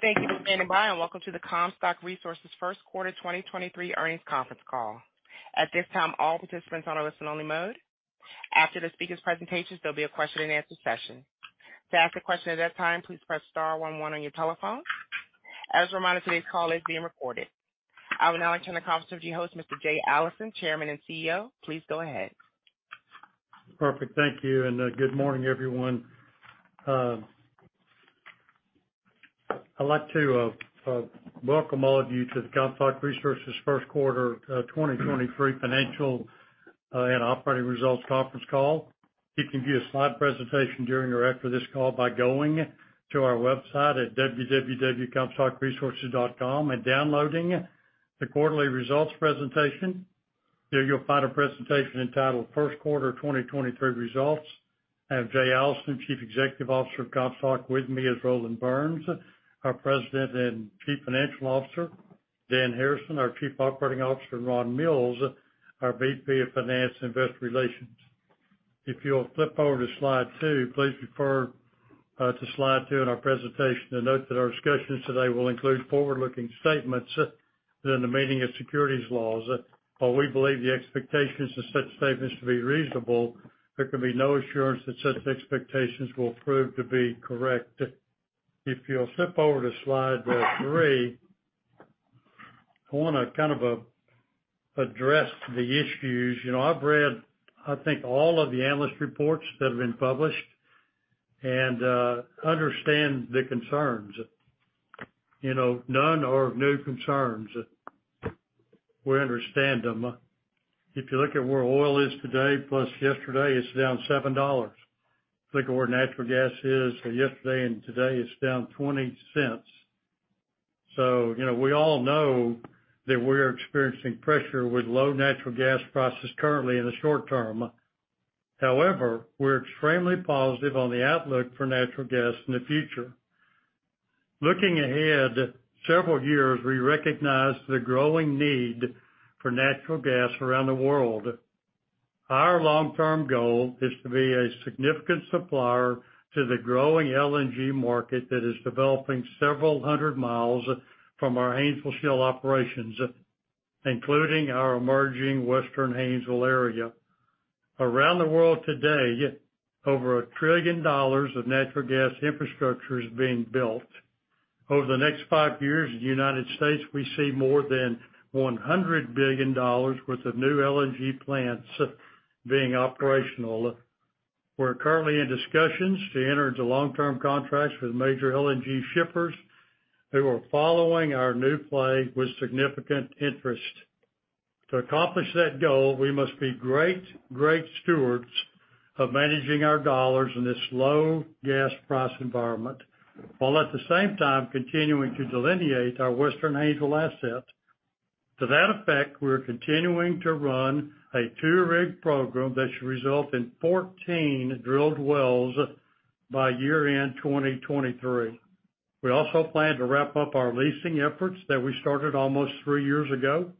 Thank you for standing by, and welcome to the Comstock Resources First Quarter 2023 Earnings Conference Call. At this time, all participants are on a listen only mode. After the speakers' presentations, there'll be a question-and-answer session. To ask a question at that time, please press star one one on your telephone. As a reminder, today's call is being recorded. I will now turn the conference over to your host, Mr. Jay Allison, Chairman and CEO. Please go ahead. Perfect. Thank you, good morning, everyone. I'd like to welcome all of you to the Comstock Resources first quarter 2023 financial and operating results conference call. You can view a slide presentation during or after this call by going to our website at www.comstockresources.com and downloading the quarterly results presentation. There you'll find a presentation entitled First Quarter 2023 Results. I have Jay Allison, Chief Executive Officer of Comstock. With me is Roland Burns, our President and Chief Financial Officer, Dan Harrison, our Chief Operating Officer, and Ron Mills, our VP of Finance and Investor Relations. If you'll flip over to slide two, please refer to slide two in our presentation to note that our discussions today will include forward-looking statements within the meaning of securities laws. While we believe the expectations of such statements to be reasonable, there can be no assurance that such expectations will prove to be correct. If you'll flip over to slide three, I wanna kind of address the issues. You know, I've read, I think all of the analyst reports that have been published and understand the concerns. You know, none are new concerns. We understand them. If you look at where oil is today plus yesterday, it's down $7. Look at where natural gas is yesterday and today it's down $0.20. You know, we all know that we're experiencing pressure with low natural gas prices currently in the short term. However, we're extremely positive on the outlook for natural gas in the future. Looking ahead several years, we recognize the growing need for natural gas around the world. Our long-term goal is to be a significant supplier to the growing LNG market that is developing several hundred miles from our Haynesville Shale operations, including our emerging Western Haynesville area. Around the world today, over $1 trillion of natural gas infrastructure is being built. Over the next five years in the U.S., we see more than $100 billion worth of new LNG plants being operational. We're currently in discussions to enter into long-term contracts with major LNG shippers who are following our new play with significant interest. To accomplish that goal, we must be great stewards of managing our dollars in this low gas price environment, while at the same time continuing to delineate our Western Haynesville asset. To that effect, we're continuing to run a two-rig program that should result in 14 drilled wells by year-end 2023. We also plan to wrap up our leasing efforts that we started almost three years ago.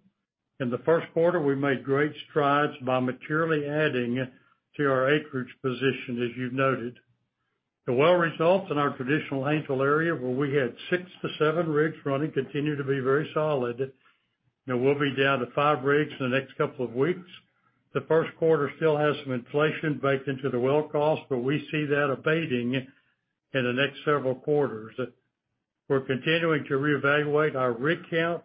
In the first quarter, we made great strides by materially adding to our acreage position, as you've noted. The well results in our traditional Haynesville area, where we had six rigs -seven rigs running, continue to be very solid. You know, we'll be down to five rigs in the next couple of weeks. The first quarter still has some inflation baked into the well cost, but we see that abating in the next several quarters. We're continuing to reevaluate our rig count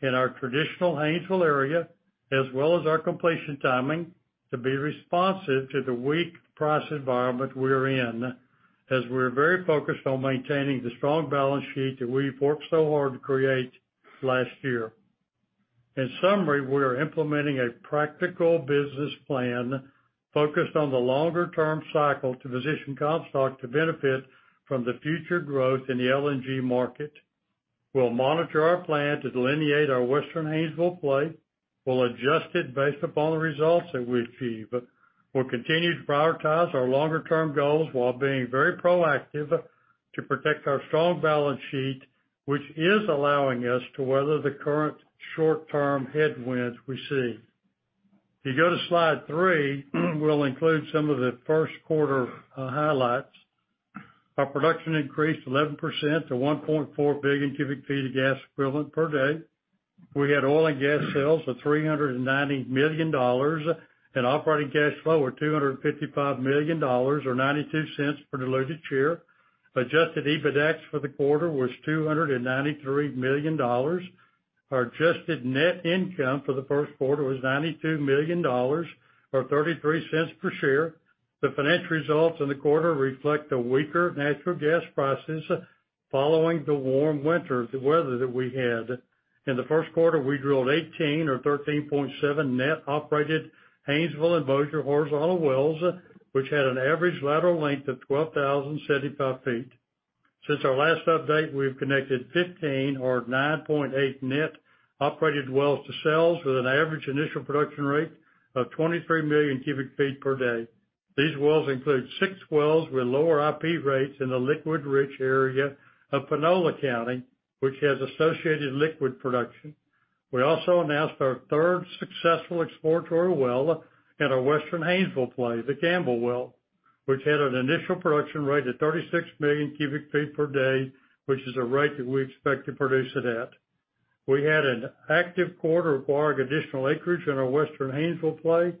in our traditional Haynesville area, as well as our completion timing, to be responsive to the weak price environment we're in, as we're very focused on maintaining the strong balance sheet that we've worked so hard to create last year. In summary, we are implementing a practical business plan focused on the longer term cycle to position Comstock to benefit from the future growth in the LNG market. We'll monitor our plan to delineate our Western Haynesville play. We'll adjust it based upon the results that we achieve. We'll continue to prioritize our longer term goals while being very proactive to protect our strong balance sheet, which is allowing us to weather the current short term headwinds we see. If you go to slide three, we'll include some of the first quarter highlights. Our production increased 11% to 1.4 billion cubic feet of gas equivalent per day. We had oil and gas sales of $390 million and operating cash flow of $255 million or $0.92 per diluted share. Adjusted EBITDAX for the quarter was $293 million. Our adjusted net income for the first quarter was $92 million or $0.33 per share. The financial results in the quarter reflect the weaker natural gas prices following the warm winter weather that we had. In the first quarter, we drilled 18 or 13.7 net operated Haynesville and Bossier horizontal wells, which had an average lateral length of 12,075 feet. Since our last update, we've connected 15 or 9.8 net operated wells to sales with an average initial production rate of 23 million cubic feet per day. These wells include six wells with lower IP rates in the liquid rich area of Panola County, which has associated liquid production. We also announced our third successful exploratory well in our Western Haynesville play, the Gamble well, which had an initial production rate of 36 million cubic feet per day, which is a rate that we expect to produce it at. We had an active quarter acquiring additional acreage in our Western Haynesville play.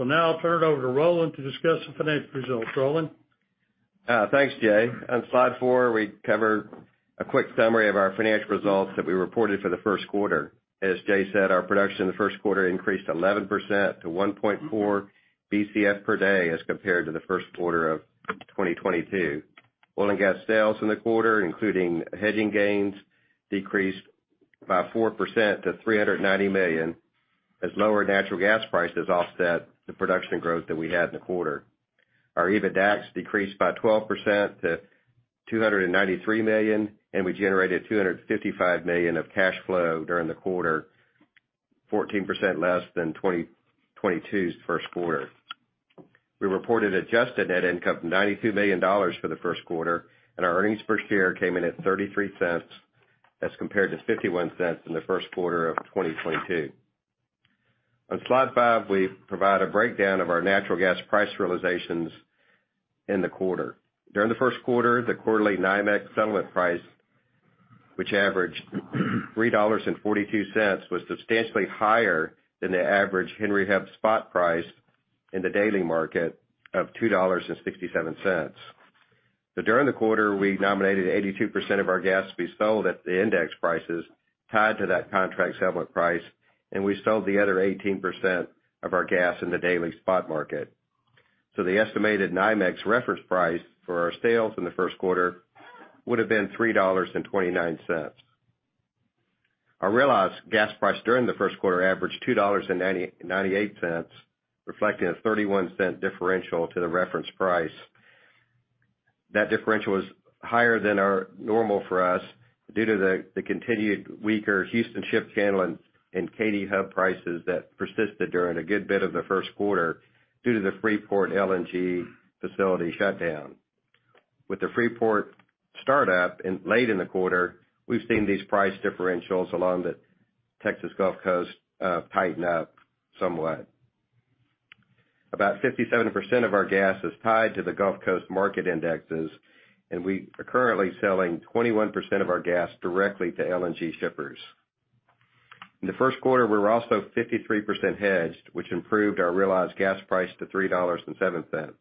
Now I'll turn it over to Roland to discuss the financial results. Roland? Thanks, Jay. On slide four, we cover a quick summary of our financial results that we reported for the first quarter. As Jay said, our production in the first quarter increased 11% to 1.4 Bcf per day as compared to the first quarter of 2022. Oil and gas sales in the quarter, including hedging gains, decreased by 4% to $390 million as lower natural gas prices offset the production growth that we had in the quarter. Our EBITDAX decreased by 12% to $293 million, and we generated $255 million of cash flow during the quarter, 14% less than 2022's first quarter. We reported adjusted net income of $92 million for the first quarter, and our earnings per share came in at $0.33 as compared to $0.51 in the first quarter of 2022. On slide five, we provide a breakdown of our natural gas price realizations in the quarter. During the first quarter, the quarterly NYMEX settlement price, which averaged $3.42 was substantially higher than the average Henry Hub spot price in the daily market of $2.67. During the quarter, we nominated 82% of our gas to be sold at the index prices tied to that contract settlement price, and we sold the other 18% of our gas in the daily spot market. The estimated NYMEX reference price for our sales in the first quarter would've been $3.29. Our realized gas price during the first quarter averaged $2.98, reflecting a $0.31 differential to the reference price. That differential was higher than our, normal for us due to the continued weaker Houston ship channel and Katy Hub prices that persisted during a good bit of the first quarter due to the Freeport LNG facility shutdown. With the Freeport startup late in the quarter, we've seen these price differentials along the Texas Gulf Coast tighten up somewhat. About 57% of our gas is tied to the Gulf Coast market indexes, and we are currently selling 21% of our gas directly to LNG shippers. In the first quarter, we were also 53% hedged, which improved our realized gas price to $3.07.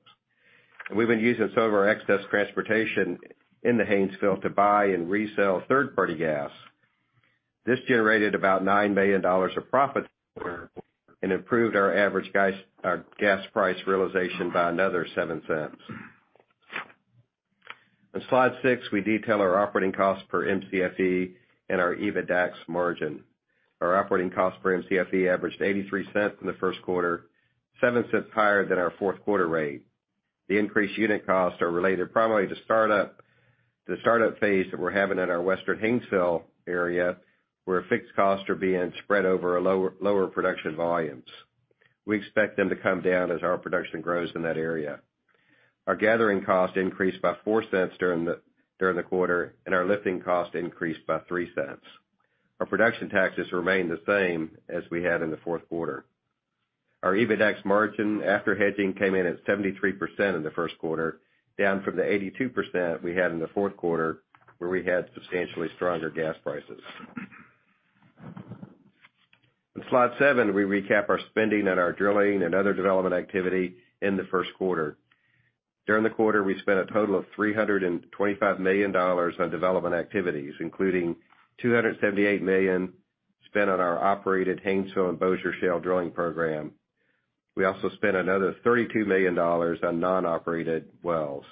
We've been using some of our excess transportation in the Haynesville to buy and resell third-party gas. This generated about $9 million of profit for, and improved our average gas, our gas price realization by another $0.07. On slide 6, we detail our operating costs per Mcfe and our EBITDAX margin. Our operating cost for Mcfe averaged $0.83 in the first quarter, $0.07 higher than our fourth quarter rate. The increased unit costs are related primarily to startup, the startup phase that we're having in our Western Haynesville area, where fixed costs are being spread over a lower production volumes. We expect them to come down as our production grows in that area. Our gathering costs increased by $0.04 during the quarter, and our lifting costs increased by $0.03. Our production taxes remained the same as we had in the fourth quarter. Our EBITDAX margin after hedging came in at 73% in the first quarter, down from the 82% we had in the fourth quarter, where we had substantially stronger gas prices. On slide seven, we recap our spending and our drilling and other development activity in the first quarter. During the quarter, we spent a total of $325 million on development activities, including $278 million spent on our operated Haynesville and Bossier Shale drilling program. We also spent another $32 million on non-operated wells.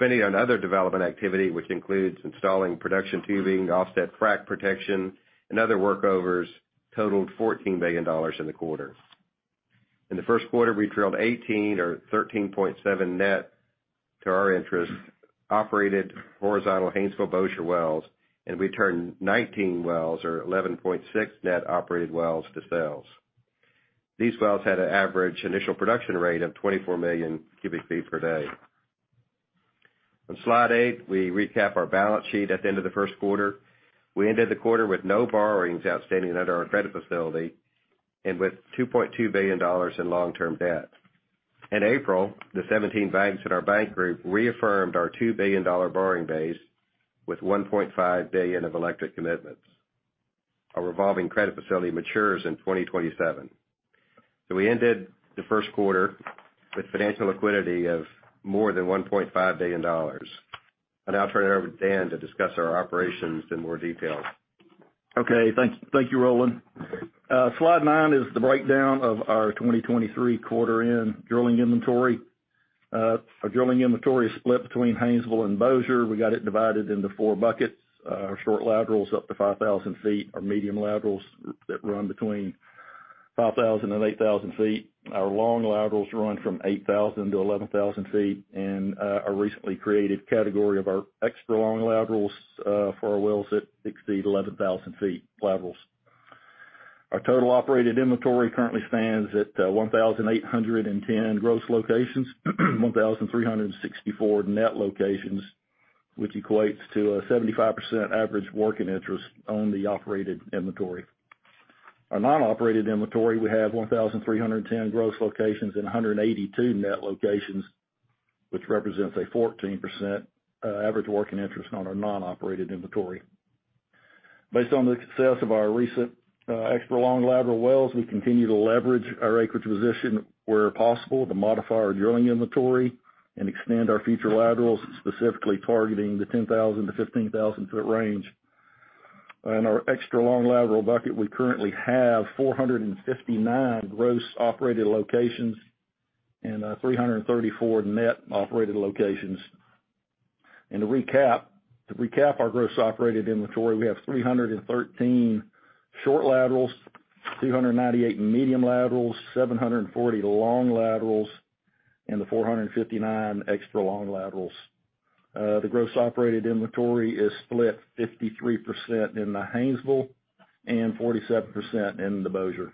Spending on other development activity, which includes installing production tubing, offset frack protection, and other workovers, totaled $14 million in the quarter. In the first quarter, we drilled 18 or 13.7 net to our interest, operated horizontal Haynesville-Bossier wells, and we turned 19 wells or 11.6 net operated wells to sales. These wells had an average initial production rate of 24 million cubic feet per day. On slide eight, we recap our balance sheet at the end of the first quarter. We ended the quarter with no borrowings outstanding under our credit facility and with $2.2 billion in long-term debt. In April, the 17 banks at our bank group reaffirmed our $2 billion borrowing base with $1.5 billion of electric commitments. Our revolving credit facility matures in 2027. We ended the first quarter with financial liquidity of more than $1.5 billion. I'll now turn it over to Dan to discuss our operations in more detail. Okay. Thank you, Roland. Slide nine is the breakdown of our 2023 quarter end drilling inventory. Our drilling inventory is split between Haynesville and Bossier. We got it divided into four buckets. Our short laterals up to 5,000 feet, our medium laterals that run between 5,000 feet and 8,000 feet. Our long laterals run from 8,000 feet to 11,000 feet, and a recently created category of our extra long laterals for our wells that exceed 11,000 feet laterals. Our total operated inventory currently stands at 1,810 gross locations, 1,364 net locations, which equates to a 75% average working interest on the operated inventory. Our non-operated inventory, we have 1,310 gross locations and 182 net locations, which represents a 14% average working interest on our non-operated inventory. Based on the success of our recent extra long lateral wells, we continue to leverage our acreage position where possible to modify our drilling inventory and expand our future laterals, specifically targeting the 10,000 to 15 foot range. In our extra long lateral bucket, we currently have 459 gross operated locations and 334 net operated locations. To recap our gross operated inventory, we have 313 short laterals, 298 medium laterals, 740 long laterals, and the 459 extra long laterals. The gross operated inventory is split 53% in the Haynesville and 47% in the Bossier.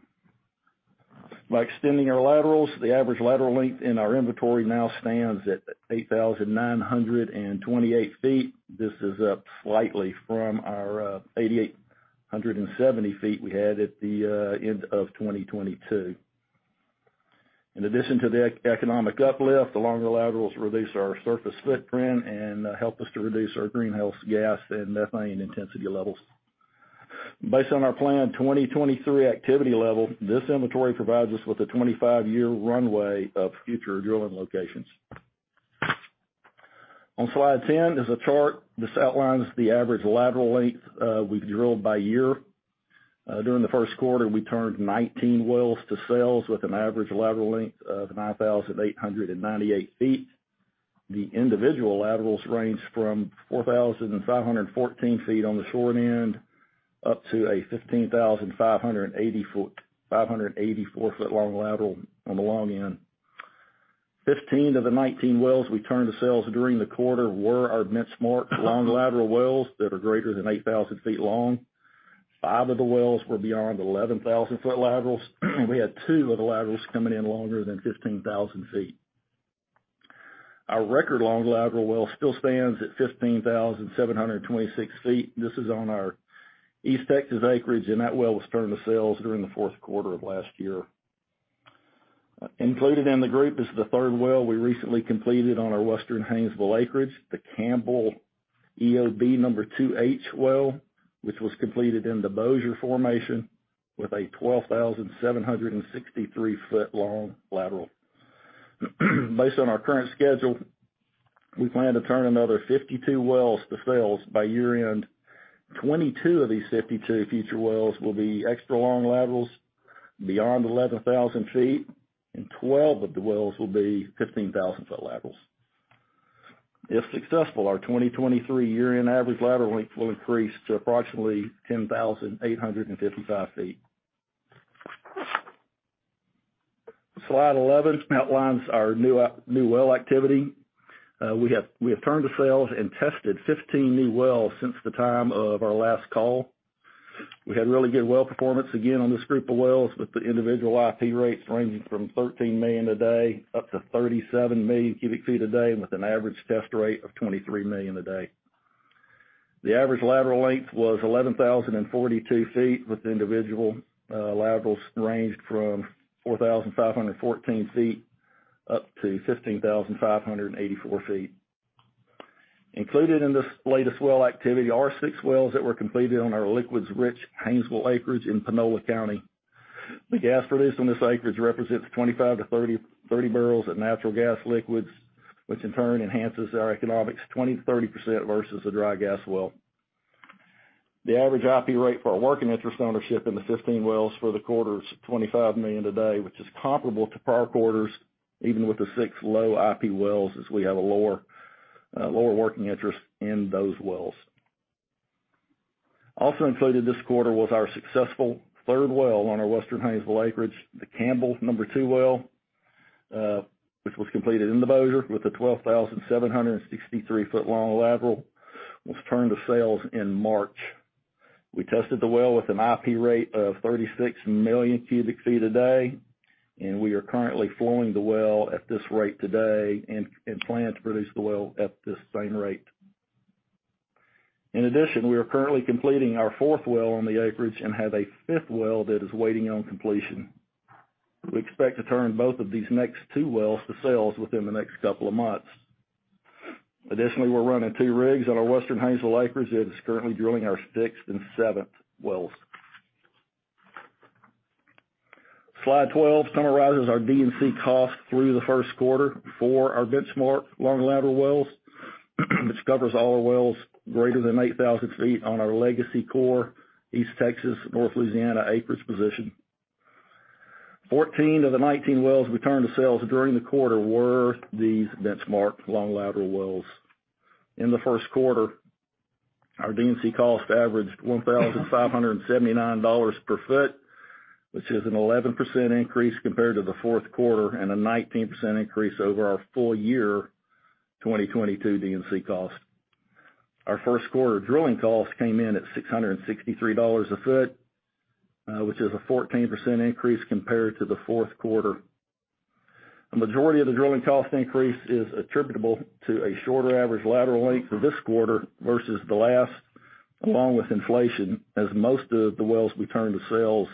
By extending our laterals, the average lateral length in our inventory now stands at 8,928 feet. This is up slightly from our 8,870 feet we had at the end of 2022. In addition to the economic uplift, the longer laterals reduce our surface footprint and help us to reduce our greenhouse gas and methane intensity levels. Based on our planned 2023 activity level, this inventory provides us with a 25-year runway of future drilling locations. On slide 10 is a chart. This outlines the average lateral length we've drilled by year. During the first quarter, we turned 19 wells to sales with an average lateral length of 9,898 feet. The individual laterals range from 4,514 feet on the short end, up to a 15,580 foot, 584 foot long lateral on the long end. 15 of the 19 wells we turned to sales during the quarter were our benchmark long lateral wells that are greater than 8,000 feet long. Five of the wells were beyond 11,000 foot laterals. We had two of the laterals coming in longer than 15,000 feet. Our record long lateral well still stands at 15,726 feet. This is on our East Texas acreage, and that well was turned to sales during the fourth quarter of last year. Included in the group is the third well we recently completed on our Western Haynesville acreage, the Campbell B #2H well, which was completed in the Bossier Formation with a 12,763-foot long lateral. Based on our current schedule, we plan to turn another 52 wells to sales by year-end. 22 of these 52 future wells will be extra long laterals beyond 11,000 feet, and 12 of the wells will be 15,000-foot laterals. If successful, our 2023 year-end average lateral length will increase to approximately 10,855 feet. Slide 11 outlines our new well activity. We have turned to sales and tested 15 new wells since the time of our last call. We had really good well performance again on this group of wells, with the individual IP rates ranging from 13 million a day up to 37 million cubic feet a day, and with an average test rate of 23 million a day. The average lateral length was 11,042 feet, with individual laterals ranged from 4,514 feet up to 15,584 feet. Included in this latest well activity are six wells that were completed on our liquids rich Haynesville acreage in Panola County. The gas produced on this acreage represents 25-30 barrels of natural gas liquids, which in turn enhances our economics 20%-30% versus the dry gas well. The average IP rate for our working interest ownership in the 15 wells for the quarter is 25 million a day, which is comparable to prior quarters, even with the six low IP wells, as we have a lower working interest in those wells. Also included this quarter was our successful third well on our Western Haynesville acreage, the Campbell No. two well, which was completed in the Bossier with a 12,763 foot long lateral, was turned to sales in March. We tested the well with an IP rate of 36 million cubic feet a day, we are currently flowing the well at this rate today and plan to produce the well at this same rate. In addition, we are currently completing our fourth well on the acreage and have a fifth well that is waiting on completion. We expect to turn both of these next two wells to sales within the next couple of months. Additionally, we're running two rigs on our Western Haynesville acreage that is currently drilling our sixth and seventh wells. Slide 12 summarizes our D&C costs through the first quarter for our benchmark long lateral wells, which covers all the wells greater than 8,000 feet on our legacy core, East Texas, North Louisiana acreage position. 14 of the 19 wells we turned to sales during the quarter were these benchmarked long lateral wells. In the first quarter, our D&C costs averaged $1,579 per foot, which is an 11% increase compared to the fourth quarter and a 19% increase over our full year 2022 D&C cost. Our first quarter drilling costs came in at $663 a foot, which is a 14% increase compared to the fourth quarter. A majority of the drilling cost increase is attributable to a shorter average lateral length for this quarter versus the last, along with inflation, as most of the wells we turned to sales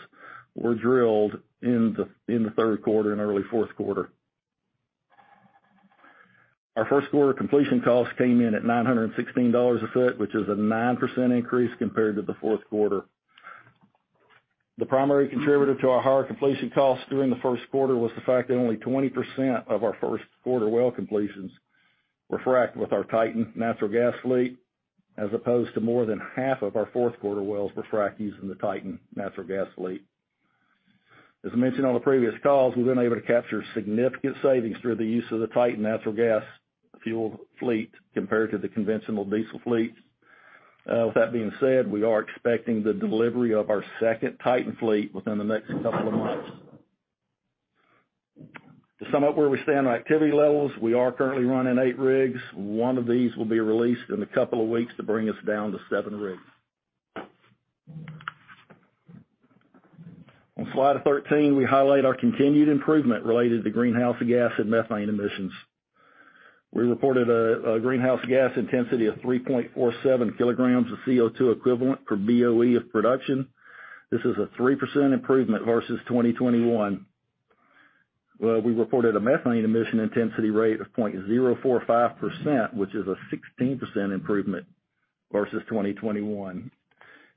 were drilled in the third quarter and early fourth quarter. Our first quarter completion costs came in at $916 a foot, which is a 9% increase compared to the fourth quarter. The primary contributor to our higher completion costs during the first quarter was the fact that only 20% of our first quarter well completions were fracked with our Titan natural gas fleet, as opposed to more than half of our fourth quarter wells were fracked using the Titan natural gas fleet. As mentioned on the previous calls, we've been able to capture significant savings through the use of the Titan natural gas fuel fleet compared to the conventional diesel fleet. With that being said, we are expecting the delivery of our second Titan fleet within the next couple of months. To sum up where we stand on activity levels, we are currently running eight rigs. One of these will be released in a couple of weeks to bring us down to seven rigs. On slide 13, we highlight our continued improvement related to greenhouse gas and methane emissions. We reported a greenhouse gas intensity of 3.47 kg of CO2 equivalent per BOE of production. This is a 3% improvement versus 2021. We reported a methane emission intensity rate of 0.045%, which is a 16% improvement versus 2021.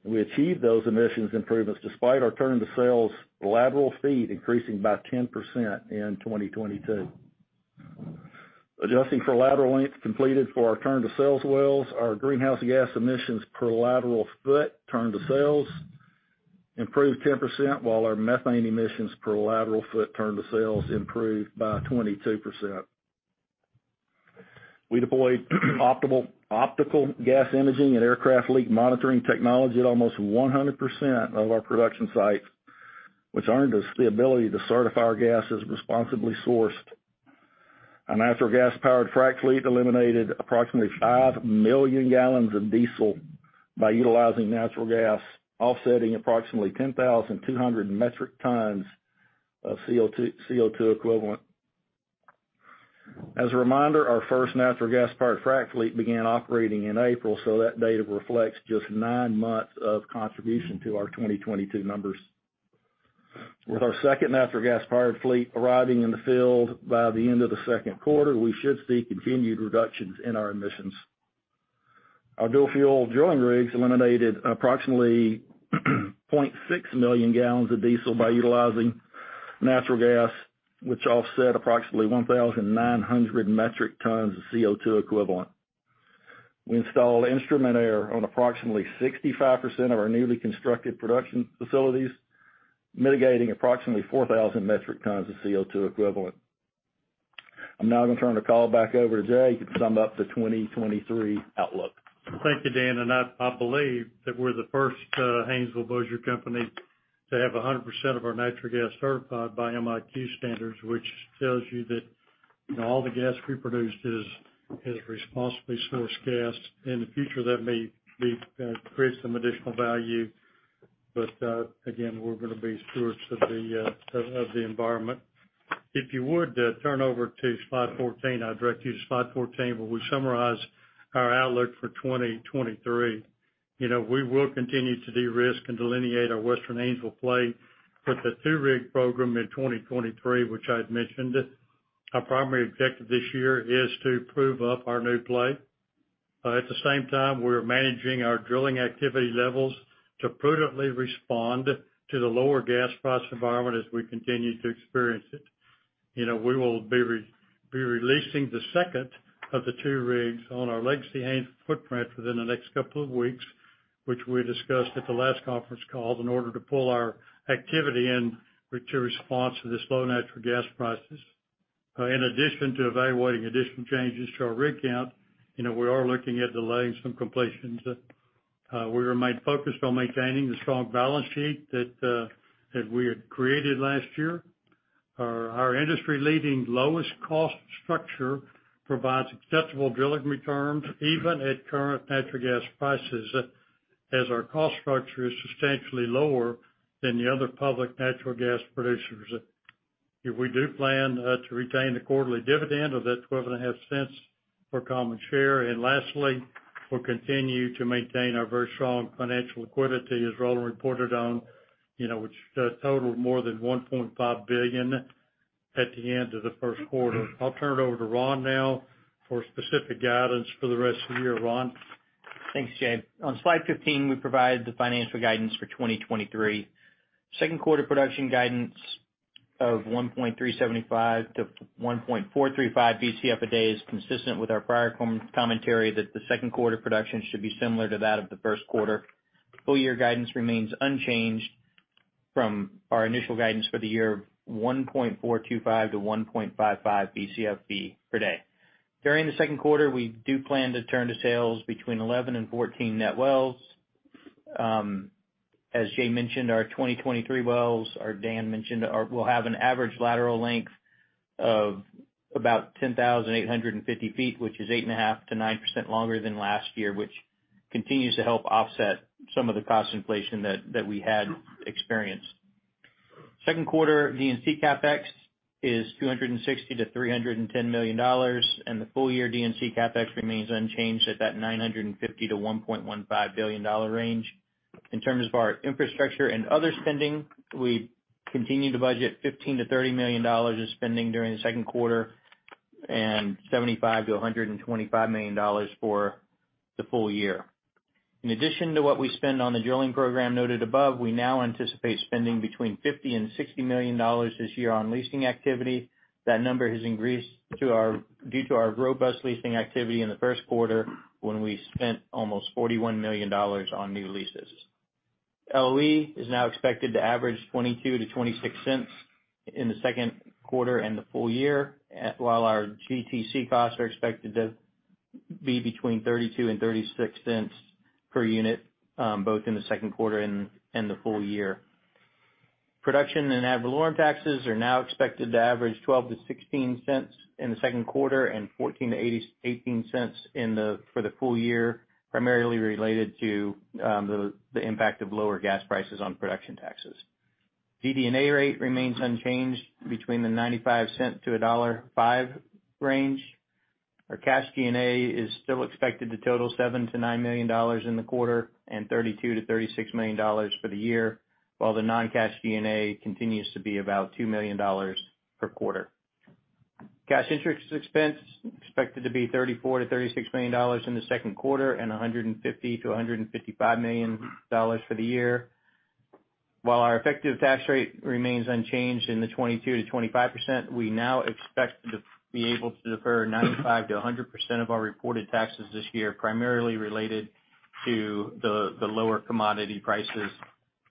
We achieved those emissions improvements despite our turn to sales lateral feet increasing by 10% in 2022. Adjusting for lateral length completed for our turn to sales wells, our greenhouse gas emissions per lateral foot turn to sales improved 10%, while our methane emissions per lateral foot turn to sales improved by 22%. We deployed optical gas imaging and aircraft leak monitoring technology at almost 100% of our production sites, which earned us the ability to certify our gas as responsibly sourced. A natural gas-powered frack fleet eliminated approximately 5 million gallons of diesel by utilizing natural gas, offsetting approximately 10,200 metric tons of CO2 equivalent. As a reminder, our first natural gas-powered frack fleet began operating in April, so that data reflects just 9 months of contribution to our 2022 numbers. With our second natural gas-powered fleet arriving in the field by the end of the second quarter, we should see continued reductions in our emissions. Our dual fuel drilling rigs eliminated approximately 0.6 million gallons of diesel by utilizing natural gas, which offset approximately 1,900 metric tons of CO2 equivalent. We installed Instrument Air on approximately 65% of our newly constructed production facilities, mitigating approximately 4,000 metric tons of CO2 equivalent. I'm now gonna turn the call back over to Jay, who can sum up the 2023 outlook. Thank you, Dan, and I believe that we're the first Haynesville Bossier company to have 100% of our natural gas certified by MIQ standards, which tells you that all the gas we produced is responsibly sourced gas. In the future, that may be create some additional value. Again, we're gonna be stewards of the environment. If you would, turn over to slide 14. I direct you to slide 14, where we summarize our outlook for 2023. You know, we will continue to de-risk and delineate our Western Haynesville play with the two rig program in 2023, which I had mentioned. Our primary objective this year is to prove up our new play. At the same time, we're managing our drilling activity levels to prudently respond to the lower gas price environment as we continue to experience it. You know, we will be releasing the second of the two rigs on our legacy Haynesville footprint within the next couple of weeks, which we discussed at the last conference call, in order to pull our activity in, which is response to this low natural gas prices. In addition to evaluating additional changes to our rig count, you know, we are looking at delaying some completions. We remain focused on maintaining the strong balance sheet that we had created last year. Our industry-leading lowest cost structure provides acceptable drilling returns even at current natural gas prices, as our cost structure is substantially lower than the other public natural gas producers. If we do plan to retain the quarterly dividend of that twelve and a half cents per common share. Lastly, we'll continue to maintain our very strong financial liquidity, as Ron reported on, you know, which totaled more than $1.5 billion at the end of the first quarter. I'll turn it over to Ron now for specific guidance for the rest of the year. Ron? Thanks, Jay. On slide 15, we provide the financial guidance for 2023. Second quarter production guidance of 1.375 Bcfe-1.435 Bcfe a day is consistent with our prior commentary that the second quarter production should be similar to that of the first quarter. Full year guidance remains unchanged from our initial guidance for the year of 1.425 Bcfe-1.55 Bcfe per day. During the second quarter, we do plan to turn to sales between 11 and 14 net wells. As Jay mentioned, our 2023 wells, or Dan mentioned, will have an average lateral length of about 10,850 feet, which is 8.5%-9% longer than last year, which continues to help offset some of the cost inflation that we had experienced. Second quarter D&C capex is $260 million-$310 million. The full year D&C capex remains unchanged at that $950 million-$1.15 billion range. In terms of our infrastructure and other spending, we continue to budget $15 million-$30 million in spending during the second quarter and $75 million-$125 million for the full year. In addition to what we spend on the drilling program noted above, we now anticipate spending between $50 million and $60 million this year on leasing activity. That number has increased due to our robust leasing activity in the first quarter, when we spent almost $41 million on new leases. LOE is now expected to average $0.22-$0.26 in the second quarter and the full year, while our GTC costs are expected to be between $0.32 and $0.36 per unit, both in the second quarter and the full year. Production and ad valorem taxes are now expected to average $0.12-$0.16 in the second quarter and $0.14-$0.18 for the full year, primarily related to the impact of lower gas prices on production taxes. DD&A rate remains unchanged between the $0.95-$1.05 range. Our cash G&A is still expected to total $7 million-$9 million in the quarter and $32 million-$36 million for the year, while the non-cash G&A continues to be about $2 million per quarter. Cash interest expense expected to be $34 million-$36 million in the second quarter and $150 million-$155 million for the year. While our effective tax rate remains unchanged in the 22%-25%, we now expect to be able to defer 95%-100% of our reported taxes this year, primarily related to the lower commodity prices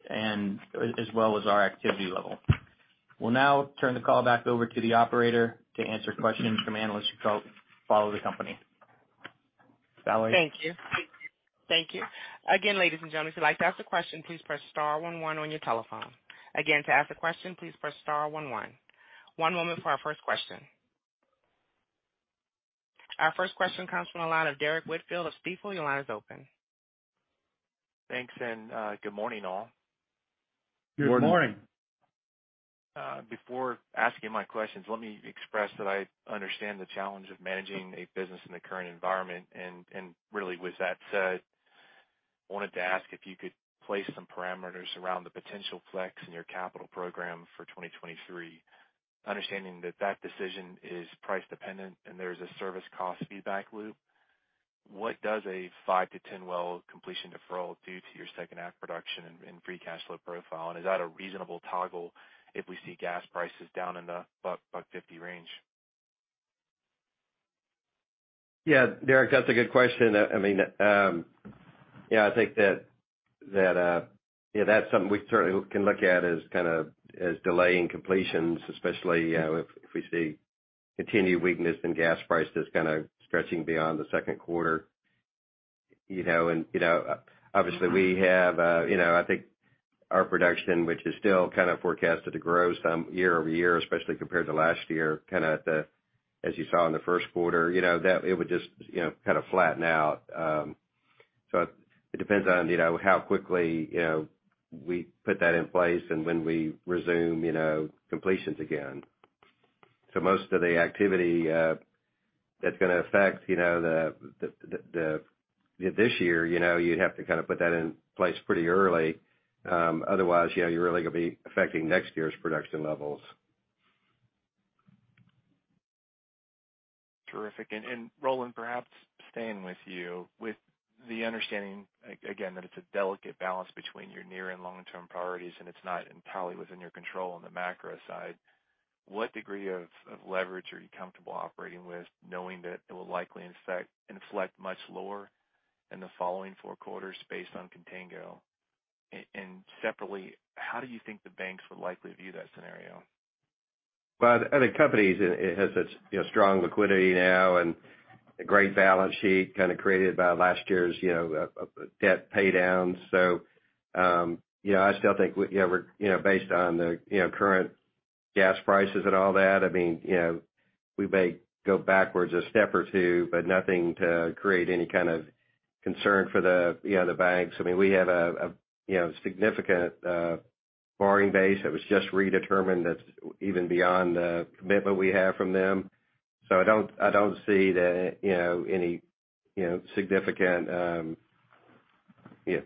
and as well as our activity level. We'll now turn the call back over to the operator to answer questions from analysts who follow the company. Valerie? Thank you. Thank you. Again, ladies and gentlemen, if you'd like to ask a question, please press star one one on your telephone. Again, to ask a question, please press star one one. One moment for our first question. Our first question comes from the line of Derrick Whitfield of Stifel. Your line is open. Thanks, and good morning, all. Good morning. Before asking my questions, let me express that I understand the challenge of managing a business in the current environment. Really with that said, I wanted to ask if you could place some parameters around the potential flex in your capital program for 2023. Understanding that that decision is price dependent and there is a service cost feedback loop, what does a five well-10 well completion deferral do to your second half production and free cash flow profile? Is that a reasonable toggle if we see gas prices down in the $1-$1.50 range? Yeah, Derrick, that's a good question. I mean, yeah, I think that, yeah, that's something we certainly can look at as kind of, as delaying completions, especially, you know, if we see continued weakness in gas prices kind of stretching beyond the second quarter. You know, obviously we have, you know, I think our production, which is still kind of forecasted to grow some year-over-year, especially compared to last year, kind of the, as you saw in the first quarter, you know, that it would just kind of flatten out. It depends on, you know, how quickly, you know, we put that in place and when we resume, you know, completions again. Most of the activity that's gonna affect, you know, the this year, you know, you'd have to kind of put that in place pretty early. Otherwise, you know, you're really gonna be affecting next year's production levels. Terrific. Roland, perhaps staying with you, with the understanding, again, that it's a delicate balance between your near and long-term priorities, and it's not entirely within your control on the macro side, what degree of leverage are you comfortable operating with, knowing that it will likely inflect much lower in the following four quarters based on contango? Separately, how do you think the banks would likely view that scenario? The company's it has such, you know, strong liquidity now and a great balance sheet kind of created by last year's, you know, up debt pay downs. I still think we, you know, we're, you know, based on the, you know, current gas prices and all that, I mean, you know, we may go backwards a step or 2, but nothing to create any kind of concern for the, you know, the banks. I mean, we have a, you know, significant borrowing base that was just redetermined that's even beyond the commitment we have from them. I don't see that, you know, any, you know, significant, you know,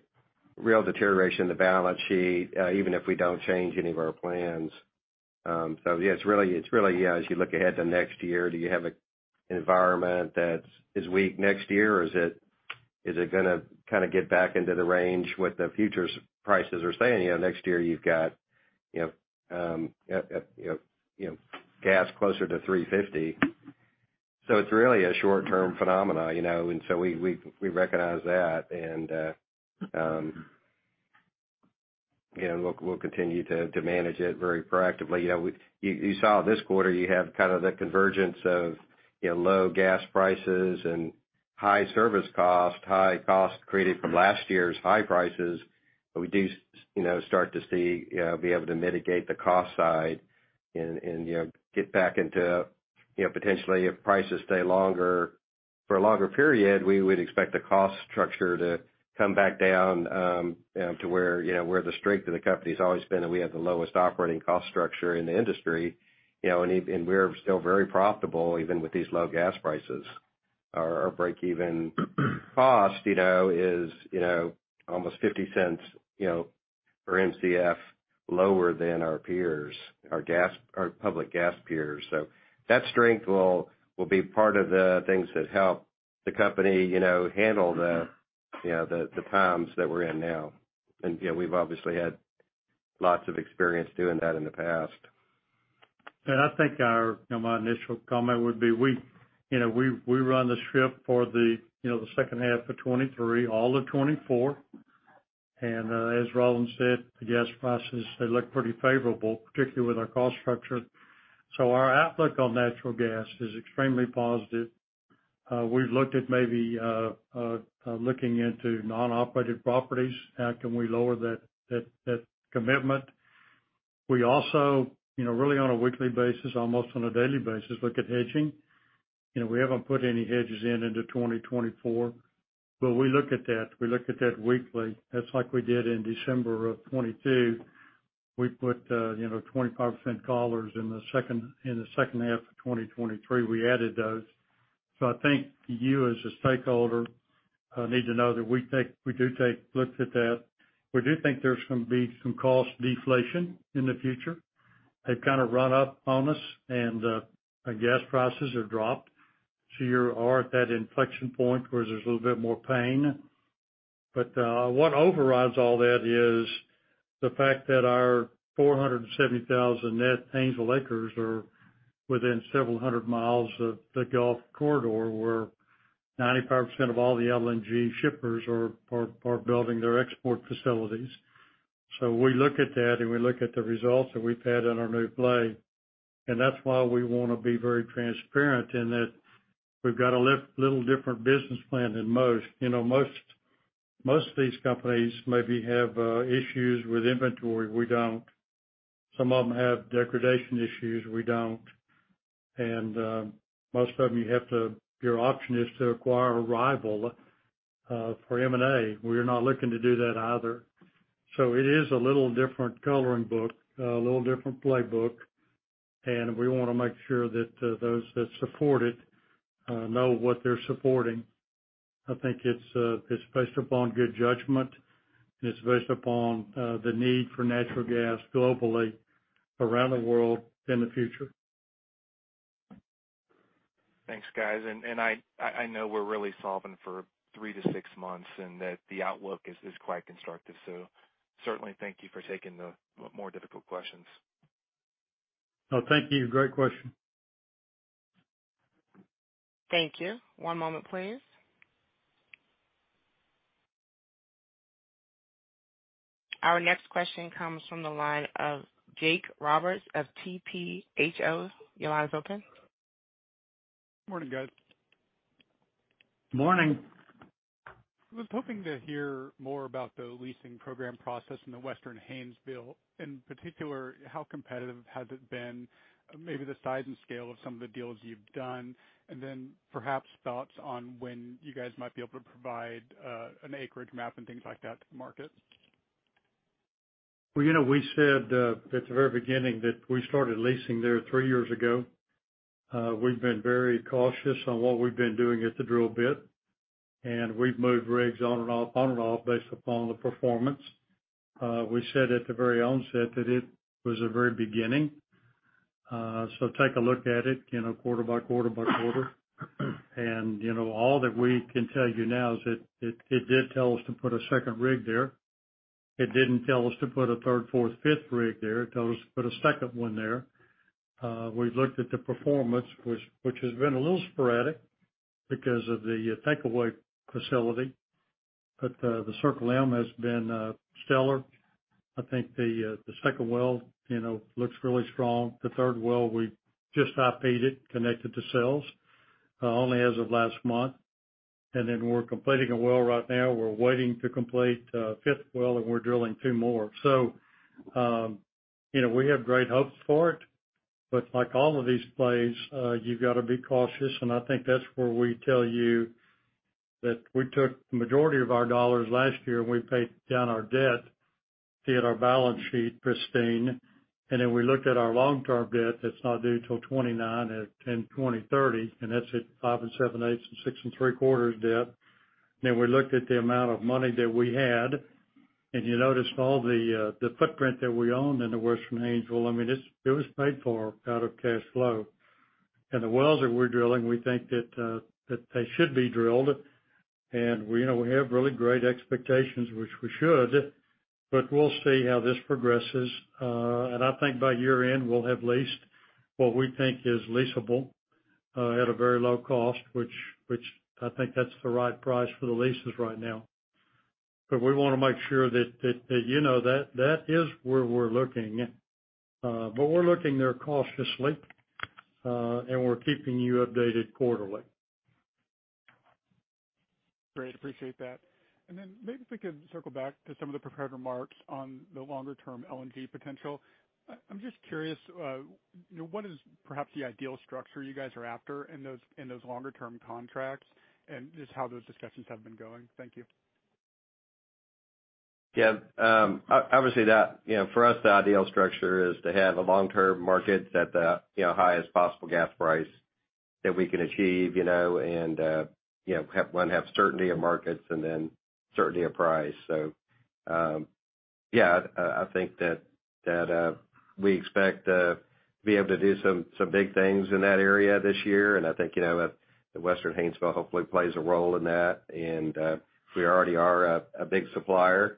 real deterioration in the balance sheet, even if we don't change any of our plans. Yeah, it's really, as you look ahead to next year, do you have an environment that's as weak next year, or is it gonna kind of get back into the range what the futures prices are saying? You know, next year you've got, you know, gas closer to $3.50. It's really a short-term phenomena, you know, we recognize that. You know, look, we'll continue to manage it very proactively. You know, you saw this quarter, you have kind of the convergence of, you know, low gas prices and high service costs, high costs created from last year's high prices. We do, you know, start to see be able to mitigate the cost side and, you know, get back into, you know, potentially if prices stay for a longer period, we would expect the cost structure to come back down to where, you know, where the strength of the company has always been, and we have the lowest operating cost structure in the industry, you know, and we're still very profitable even with these low gas prices. Our, our break-even cost, you know, is, you know, almost $0.50, you know, per Mcf lower than our peers, our public gas peers. That strength will be part of the things that help the company, you know, handle the times that we're in now. You know, we've obviously had lots of experience doing that in the past. I think our, you know, my initial comment would be we, you know, we run the strip for the, you know, the second half of 2023, all of 2024. As Roland said, the gas prices, they look pretty favorable, particularly with our cost structure. Our outlook on natural gas is extremely positive. We've looked at maybe looking into non-operated properties. How can we lower that commitment? We also, you know, really on a weekly basis, almost on a daily basis, look at hedging. You know, we haven't put any hedges in into 2024, but we look at that weekly. That's like we did in December of 2022. We put, you know, 25% collars in the second half of 2023, we added those. I think you, as a stakeholder, need to know that we do take looks at that. We do think there's gonna be some cost deflation in the future. They've kinda run up on us and gas prices have dropped. You are at that inflection point where there's a little bit more pain. What overrides all that is the fact that our 470,000 net Haynesville acres are within several hundred miles of the Gulf Corridor, where 95% of all the LNG shippers are building their export facilities. We look at that, and we look at the results that we've had in our new play, and that's why we wanna be very transparent in that we've got a little different business plan than most. You know, most of these companies maybe have issues with inventory. We don't. Some of them have degradation issues. We don't. Most of them, your option is to acquire a rival for M&A. We're not looking to do that either. It is a little different coloring book, a little different playbook, and we wanna make sure that those that support it know what they're supporting. I think it's based upon good judgment, and it's based upon the need for natural gas globally around the world in the future. Thanks, guys. I know we're really solving for 3 months-6 months and that the outlook is quite constructive. Certainly thank you for taking the more difficult questions. No, thank you. Great question. Thank you. One moment please. Our next question comes from the line of Jacob Roberts of TPHO. Your line is open. Morning, guys. Morning. I was hoping to hear more about the leasing program process in the Western Haynesville. In particular, how competitive has it been, maybe the size and scale of some of the deals you've done, perhaps thoughts on when you guys might be able to provide an acreage map and things like that to the market. Well, you know, we said, at the very beginning that we started leasing there three years ago. We've been very cautious on what we've been doing at the drill bit, and we've moved rigs on and off, on and off based upon the performance. We said at the very onset that it was a very beginning. Take a look at it, you know, quarter by quarter by quarter. You know, all that we can tell you now is that it did tell us to put a second rig there. It didn't tell us to put a third, fourth, fifth rig there. It told us to put a second one there. We've looked at the performance, which has been a little sporadic because of the take away facility, but the Circle M has been, stellar. I think the second well, you know, looks really strong. The third well, we just IP'd it, connected to sales only as of last month. We're completing a well right now. We're waiting to complete a fifth well, and we're drilling two more. So, you know, we have great hopes for it. Like all of these plays, you've gotta be cautious. I think that's where we tell you that we took the majority of our dollars last year when we paid down our debt to get our balance sheet pristine. We looked at our long-term debt that's not due till 2029 and 2030, and that's at five and 7/8 and six and 3/4 debt. We looked at the amount of money that we had, and you notice all the footprint that we own in the Western Haynesville, I mean, it's, it was paid for out of cash flow. The wells that we're drilling, we think that they should be drilled. You know, we have really great expectations, which we should, but we'll see how this progresses. I think by year-end, we'll have leased what we think is leasable. At a very low cost, which I think that's the right price for the leases right now. We wanna make sure that you know that is where we're looking. We're looking there cautiously, we're keeping you updated quarterly. Great. Appreciate that. Maybe if we could circle back to some of the prepared remarks on the longer-term LNG potential. I'm just curious, you know, what is perhaps the ideal structure you guys are after in those longer term contracts, and just how those discussions have been going? Thank you. Yeah. obviously, that, you know, for us, the ideal structure is to have a long-term market at the, you know, highest possible gas price that we can achieve, you know, and, you know, have certainty of markets and then certainty of price. Yeah, I think that we expect to be able to do some big things in that area this year, and I think, you know, the Western Haynesville hopefully plays a role in that. We already are a big supplier.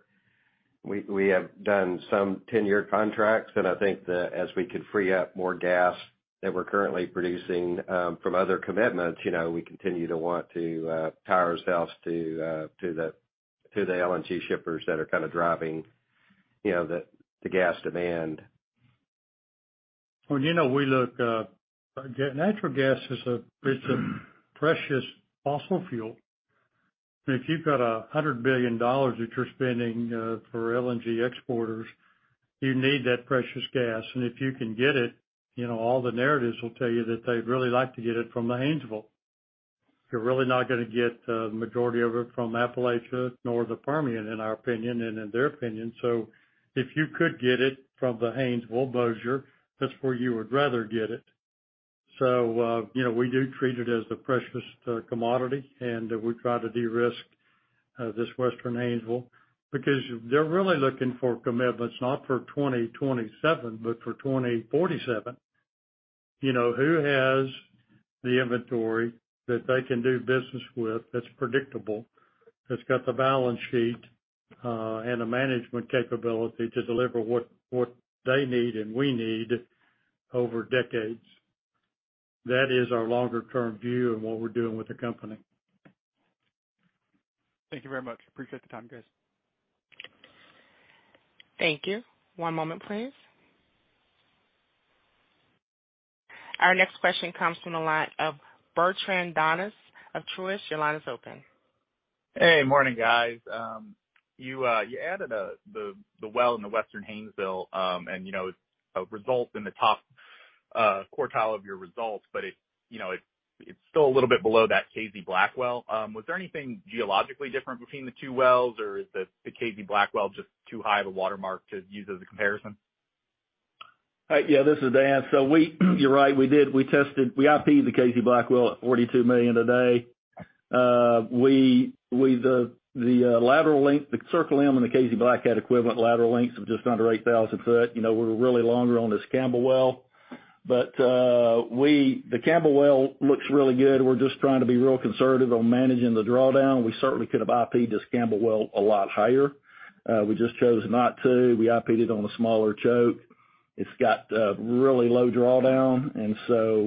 We, we have done some 10-year contracts, and I think as we can free up more gas that we're currently producing, from other commitments, you know, we continue to want to, power ourselves to the LNG shippers that are kind of driving, you know, the gas demand. Well, you know, we look, natural gas is a, it's a precious fossil fuel. If you've got $100 billion that you're spending, for LNG exporters, you need that precious gas. If you can get it, you know, all the narratives will tell you that they'd really like to get it from the Haynesville. You're really not gonna get, majority of it from Appalachia, nor the Permian, in our opinion and in their opinion. If you could get it from the Haynesville Bossier, that's where you would rather get it. You know, we do treat it as the precious, commodity, and we try to de-risk, this Western Haynesville because they're really looking for commitments, not for 2027 but for 2047. You know, who has the inventory that they can do business with that's predictable, that's got the balance sheet, and the management capability to deliver what they need and we need over decades. That is our longer term view on what we're doing with the company. Thank you very much. Appreciate the time, guys. Thank you. One moment please. Our next question comes from the line of Bertrand Donnes of Truist. Your line is open. Hey. Morning, guys. You, you added the well in the Western Haynesville, and, you know, it results in the top quartile of your results. It, you know, it's still a little bit below that Cazey Black well. Was there anything geologically different between the two wells, or is the Cazey Black well just too high of a watermark to use as a comparison? Yeah, this is Dan. You're right, we did. We IP'd the Cazey Black well at $42 million a day. The lateral length, the Circle M and the Cazey Black had equivalent lateral lengths of just under 8,000 foot. You know, we're really longer on the Campbell well. The Campbell well looks really good. We're just trying to be real conservative on managing the drawdown. We certainly could have IP'd this Campbell well a lot higher. We just chose not to. We IP'd it on a smaller choke. It's got really low drawdown,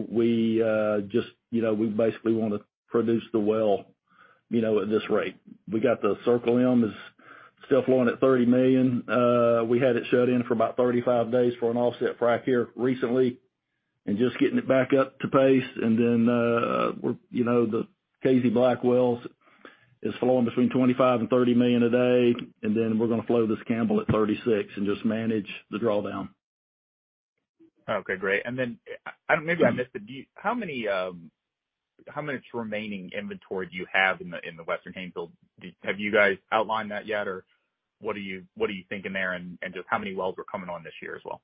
we just, you know, we basically wanna produce the well, you know, at this rate. We got the Circle M is still flowing at $30 million. We had it shut in for about 35 days for an offset frac here recently and just getting it back up to pace. We're, you know, the Cazey Black wells is flowing between $25 million and $30 million a day, and then we're gonna flow this Campbell at $36 million and just manage the drawdown. Okay. Great. Maybe I missed it. How many, how much remaining inventory do you have in the Western Haynesville? Have you guys outlined that yet, or what are you, what are you thinking there, and just how many wells are coming on this year as well?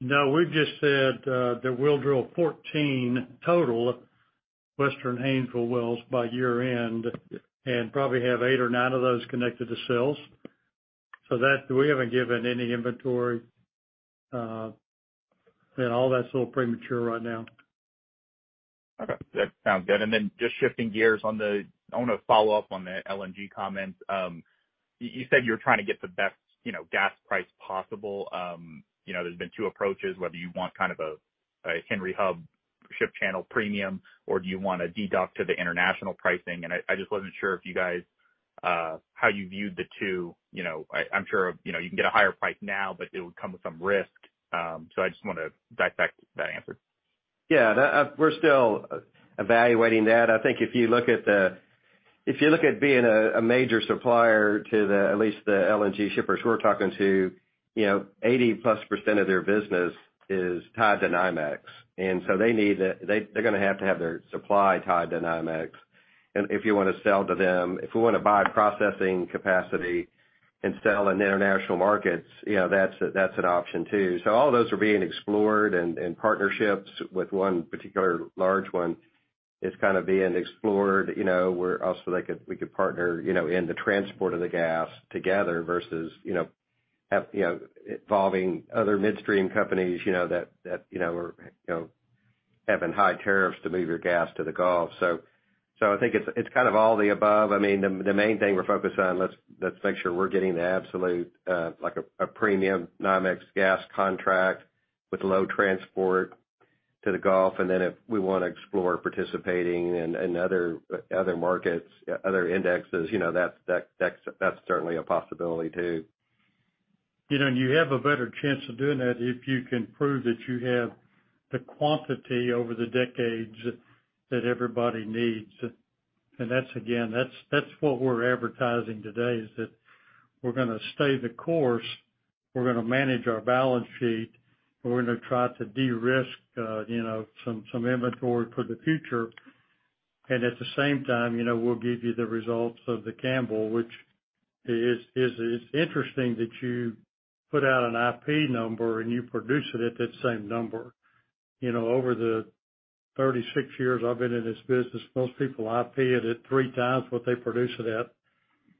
No. We've just said, that we'll drill 14 total Western Haynesville wells by year end and probably have eight or nine of those connected to sales. That's. We haven't given any inventory, and all that's a little premature right now. Okay. That sounds good. Then just shifting gears. I wanna follow up on the LNG comment. You said you're trying to get the best, you know, gas price possible. You know, there's been two approaches, whether you want kind of a Henry Hub ship channel premium, or do you wanna deduct to the international pricing? I just wasn't sure if you guys how you viewed the two. You know, I'm sure, you know, you can get a higher price now, but it would come with some risk. I just wanna dive back to that answer. That, we're still evaluating that. I think if you look at being a major supplier to the, at least the LNG shippers we're talking to, you know, 80%+ of their business is tied to NYMEX. They need it. They're gonna have to have their supply tied to NYMEX. If you wanna sell to them, if we wanna buy processing capacity and sell in international markets, you know, that's a, that's an option too. All those are being explored and partnerships with one particular large one is kind of being explored. You know, we're also like, we could partner, you know, in the transport of the gas together versus, you know, have, you know, involving other midstream companies, you know, that, you know, are, you know, having high tariffs to move your gas to the Gulf. I think it's kind of all the above. I mean, the main thing we're focused on, let's make sure we're getting the absolute like a premium NYMEX gas contract with low transport to the Gulf. Then if we wanna explore participating in other markets, other indexes, you know, that's certainly a possibility too. You know, you have a better chance of doing that if you can prove that you have the quantity over the decades that everybody needs. That's, again, that's what we're advertising today, is that we're gonna stay the course, we're gonna manage our balance sheet, we're gonna try to de-risk, you know, some inventory for the future. At the same time, you know, we'll give you the results of the Campbell, which is it's interesting that you put out an IP number, and you produce it at that same number. You know, over the 36 years I've been in this business, most people IP it at 3x what they produce it at.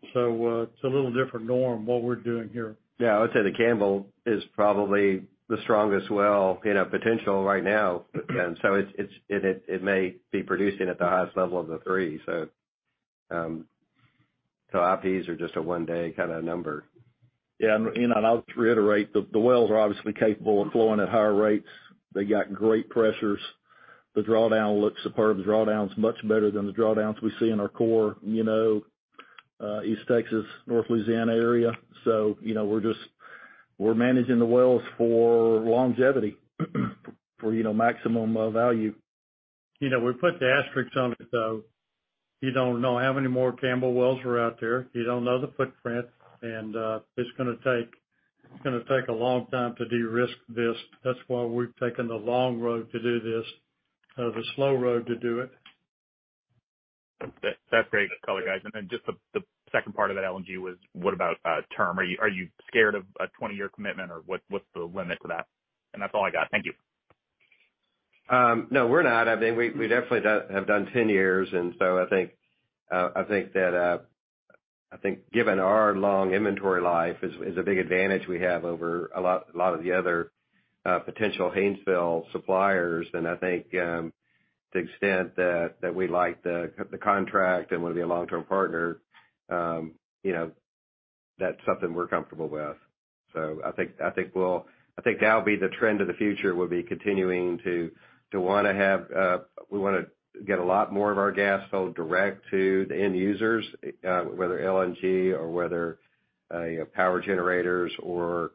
It's a little different norm, what we're doing here. Yeah. I would say the Campbell is probably the strongest well, you know, potential right now. It may be producing at the highest level of the three. IPs are just a one-day kinda number. Yeah. You know, I'll just reiterate, the wells are obviously capable of flowing at higher rates. They got great pressures. The drawdown looks superb. The drawdown's much better than the drawdowns we see in our core, you know, East Texas, North Louisiana area. You know, we're just, we're managing the wells for longevity, for, you know, maximum, value. You know, we put the asterisks on it, though. You don't know how many more Campbell wells are out there. You don't know the footprint, and it's gonna take a long time to de-risk this. That's why we've taken the long road to do this, the slow road to do it. That's great color, guys. Then just the second part of that, LNG, was, what about term? Are you scared of a 20-year commitment, or what's the limit to that? That's all I got. Thank you. No, we're not. I mean, we definitely have done 10 years. I think that, I think given our long inventory life is a big advantage we have over a lot of the other potential Haynesville suppliers. I think, to the extent that we like the contract and wanna be a long-term partner, you know, that's something we're comfortable with. I think that'll be the trend of the future, will be continuing to wanna have, we wanna get a lot more of our gas sold direct to the end users, whether LNG or whether, you know, power generators or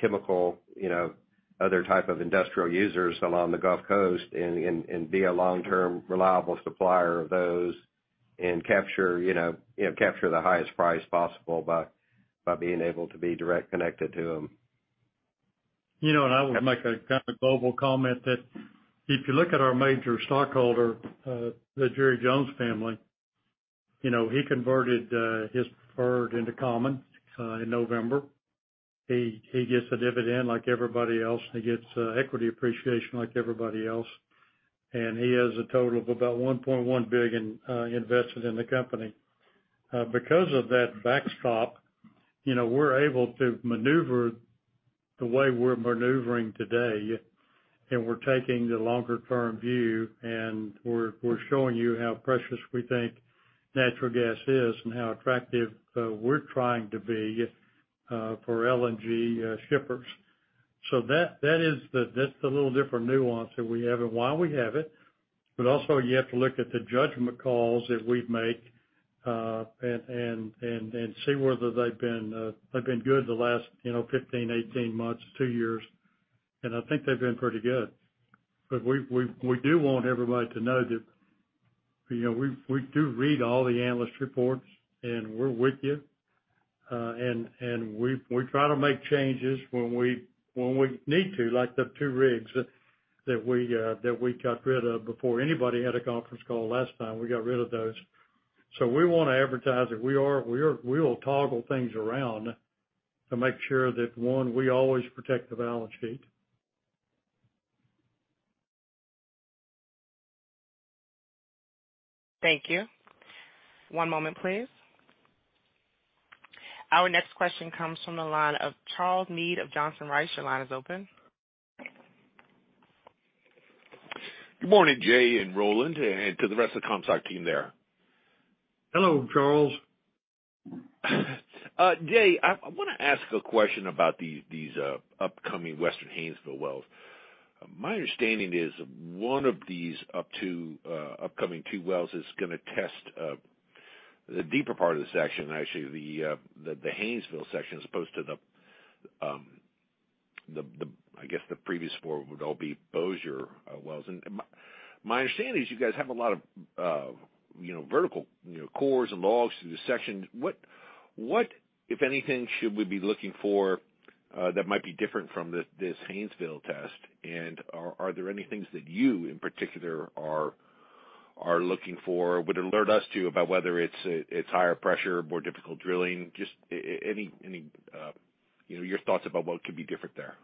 chemical, you know, other type of industrial users along the Gulf Coast and be a long-term, reliable supplier of those and capture, you know, capture the highest price possible by being able to be direct connected to them. You know, I would make a kinda global comment that if you look at our major stockholder, the Jerry Jones family, you know, he converted his preferred into common in November. He gets a dividend like everybody else. He gets equity appreciation like everybody else. He has a total of about $1.1 billion invested in the company. Because of that backstop, you know, we're able to maneuver the way we're maneuvering today, and we're taking the longer term view, and we're showing you how precious we think natural gas is and how attractive we're trying to be for LNG shippers. That, that is the, that's the little different nuance that we have and why we have it, but also you have to look at the judgment calls that we've made, and see whether they've been good the last, you know, 15months, 18 months, two years. I think they've been pretty good. We do want everybody to know that, you know, we do read all the analyst reports, and we're with you. We try to make changes when we need to, like the two rigs that we got rid of before anybody had a conference call last time. We got rid of those. We wanna advertise that we will toggle things around to make sure that, one, we always protect the balance sheet. Thank you. One moment please. Our next question comes from the line of Charles Meade of Johnson Rice. Your line is open. Good morning, Jay and Roland, and to the rest of the Comstock team there. Hello, Charles. Jay, I wanna ask a question about these upcoming Western Haynesville wells. My understanding is one of these upcoming two wells is gonna test the deeper part of the section, actually the Haynesville section, as opposed to the, I guess, the previous four would all be Bossier wells. My understanding is you guys have a lot of, you know, vertical, you know, cores and logs through the section. What, if anything, should we be looking for that might be different from this Haynesville test? Are there any things that you, in particular, are looking for, would alert us to about whether it's higher pressure, more difficult drilling? Just any, you know, your thoughts about what could be different there.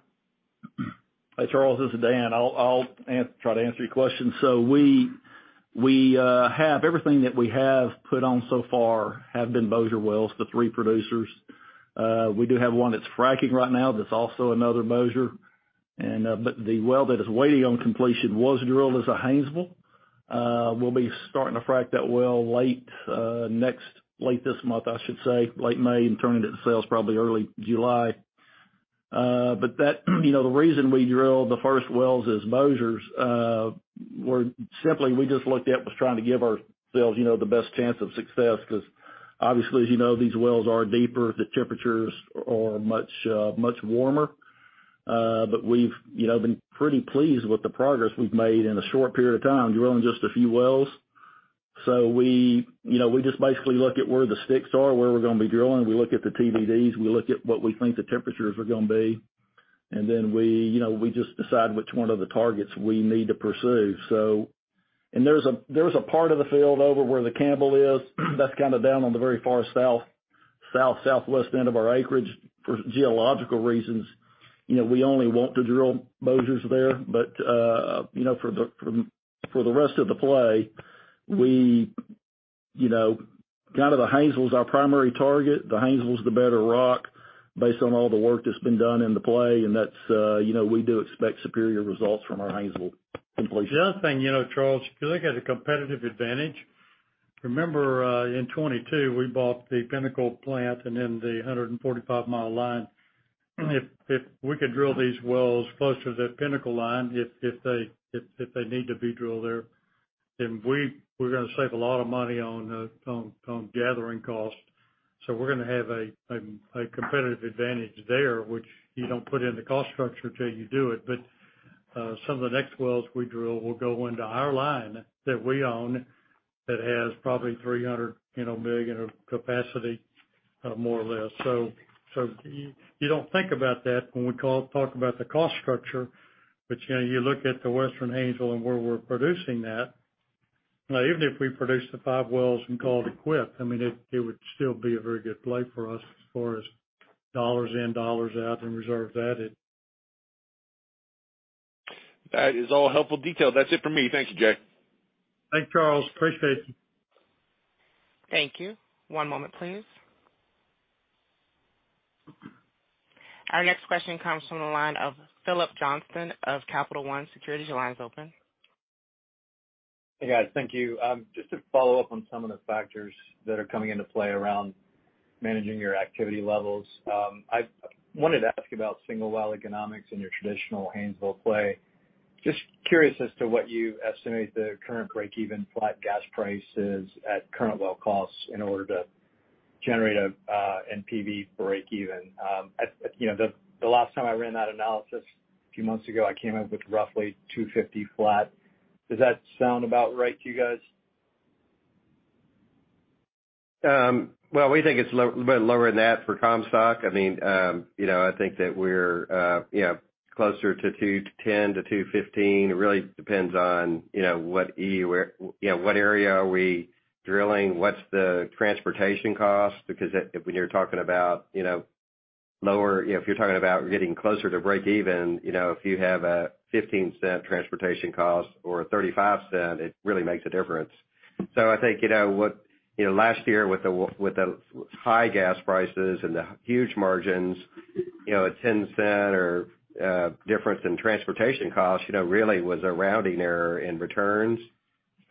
Charles, this is Dan. I'll try to answer your question. we have everything that we have put on so far have been Bossier wells, the three producers We do have one that's fracking right now. That's also another Bossier. The well that is waiting on completion was drilled as a Haynesville. We'll be starting to frack that well late this month, I should say, late May, and turning it to sales probably early July. That, you know, the reason we drilled the first wells as Bossier were simply we just looked at was trying to give ourselves, you know, the best chance of success, 'cause obviously, as you know, these wells are deeper, the temperatures are much warmer. We've, you know, been pretty pleased with the progress we've made in a short period of time drilling just a few wells. We, you know, we just basically look at where the sticks are, where we're gonna be drilling. We look at the TVDs, we look at what we think the temperatures are gonna be, and then we, you know, we just decide which one of the targets we need to pursue. There's a part of the field over where the Campbell is that's kinda down on the very far southwest end of our acreage for geological reasons. You know, we only want to drill Bossiers there, but, you know, for the rest of the play, we, you know, kinda the Haynesville's our primary target. The Haynesville's the better rock based on all the work that's been done in the play, and that's, you know, we do expect superior results from our Haynesville completion. The other thing, you know, Charles, 'cause I got a competitive advantage. Remember, in 2022, we bought the Pinnacle plant and then the 145-mile line. If we could drill these wells closer to the Pinnacle line, if they need to be drilled there, then we're gonna save a lot of money on gathering costs. We're gonna have a competitive advantage there, which you don't put in the cost structure till you do it. Some of the next wells we drill will go into our line that we own that has probably $300 million of capacity, more or less. You don't think about that when we talk about the cost structure, but, you know, you look at the Western Haynesville and where we're producing that, even if we produce the five wells and call it a quit, I mean, it would still be a very good play for us as far as dollars in, dollars out and reserve added. That is all helpful detail. That's it for me. Thank you, Jack. Thanks, Charles. Appreciate it. Thank you. One moment, please. Our next question comes from the line of Phillips Johnston of Capital One Securities. Your line is open. Hey, guys. Thank you. Just to follow up on some of the factors that are coming into play around managing your activity levels, I wanted to ask you about single well economics in your traditional Haynesville play. Just curious as to what you estimate the current break-even flat gas price is at current well costs in order to generate a NPV break even. The last time I ran that analysis a few months ago, I came up with roughly $2.50 flat. Does that sound about right to you guys? Well, we think it's a bit lower than that for Comstock. I mean, you know, I think that we're, you know, closer to $2.10-$2.15. It really depends on, you know, what EUR we're, you know, what area are we drilling? What's the transportation cost? Because when you're talking about, you know, getting closer to break even, you know, if you have a $0.15 transportation cost or a $0.35, it really makes a difference. I think, you know, what, you know, last year with the, with the high gas prices and the huge margins, you know, a $0.10 or difference in transportation costs, you know, really was a rounding error in returns.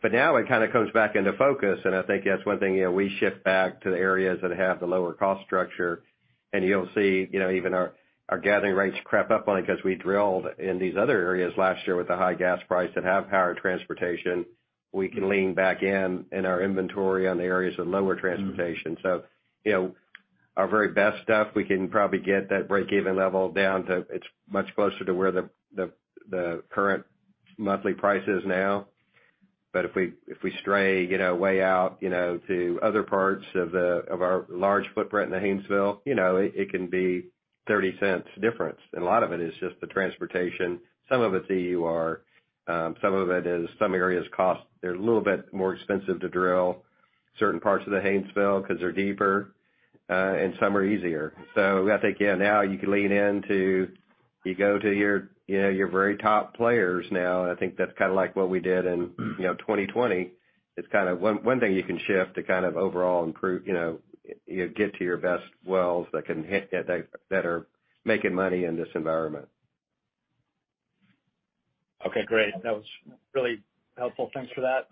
Now it kinda comes back into focus, I think that's one thing, you know, we shift back to the areas that have the lower cost structure, and you'll see, you know, even our gathering rates creep up only 'cause we drilled in these other areas last year with the high gas price that have higher transportation. We can lean back in in our inventory on the areas of lower transportation. You know, our very best stuff, we can probably get that break-even level down to it's much closer to where the current monthly price is now. If we stray, you know, way out, you know, to other parts of our large footprint in the Haynesville, you know, it can be $0.30 difference. A lot of it is just the transportation. Some of it's euro, some of it is some areas cost. They're a little bit more expensive to drill, certain parts of the Haynesville 'cause they're deeper, and some are easier. I think, yeah, now you can lean into. You go to your, you know, your very top players now, and I think that's kinda like what we did in, you know, 2020. It's kinda one thing you can shift to kind of overall improve, you know, get to your best wells that can hit that are making money in this environment. Okay, great. That was really helpful. Thanks for that.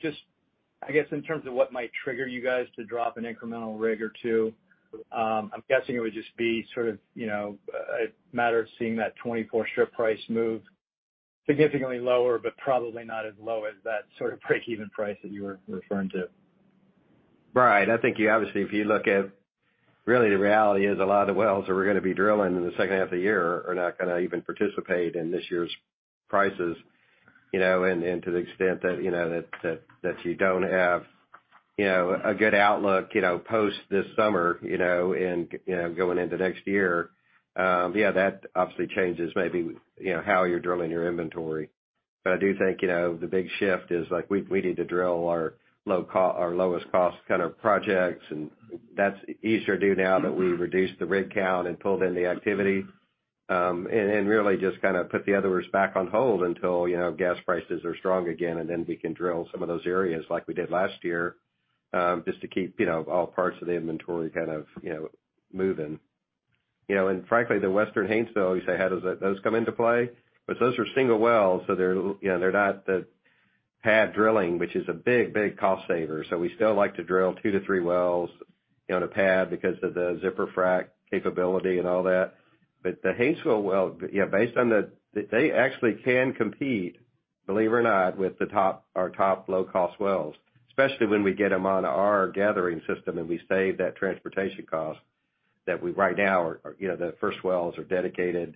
Just, I guess, in terms of what might trigger you guys to drop an incremental rig or two, I'm guessing it would just be sort of, you know, a matter of seeing that 24 strip price move significantly lower, but probably not as low as that sort of break-even price that you were referring to. Right. I think you obviously, if you look at really the reality is a lot of the wells that we're gonna be drilling in the second half of the year are not gonna even participate in this year's prices, you know, and to the extent that, you know, that you don't have, you know, a good outlook, you know, post this summer, you know, and, you know, going into next year, yeah, that obviously changes maybe, you know, how you're drilling your inventory. I do think, you know, the big shift is, like, we need to drill our lowest cost kind of projects, and that's easier to do now that we've reduced the rig count and pulled in the activity. Really just kind of put the others back on hold until, you know, gas prices are strong again, and then we can drill some of those areas like we did last year, just to keep, you know, all parts of the inventory kind of, you know, moving. You know, frankly, the Western Haynesville, you say, how does those come into play? Those are single wells, so they're, you know, they're not the pad drilling, which is a big cost saver. We still like to drill two wells-three wells, you know, in a pad because of the zipper frac capability and all that. The Haynesville well, yeah, they actually can compete, believe it or not, with the top, our top low-cost wells, especially when we get them on our gathering system, and we save that transportation cost that we right now are, you know, the first wells are dedicated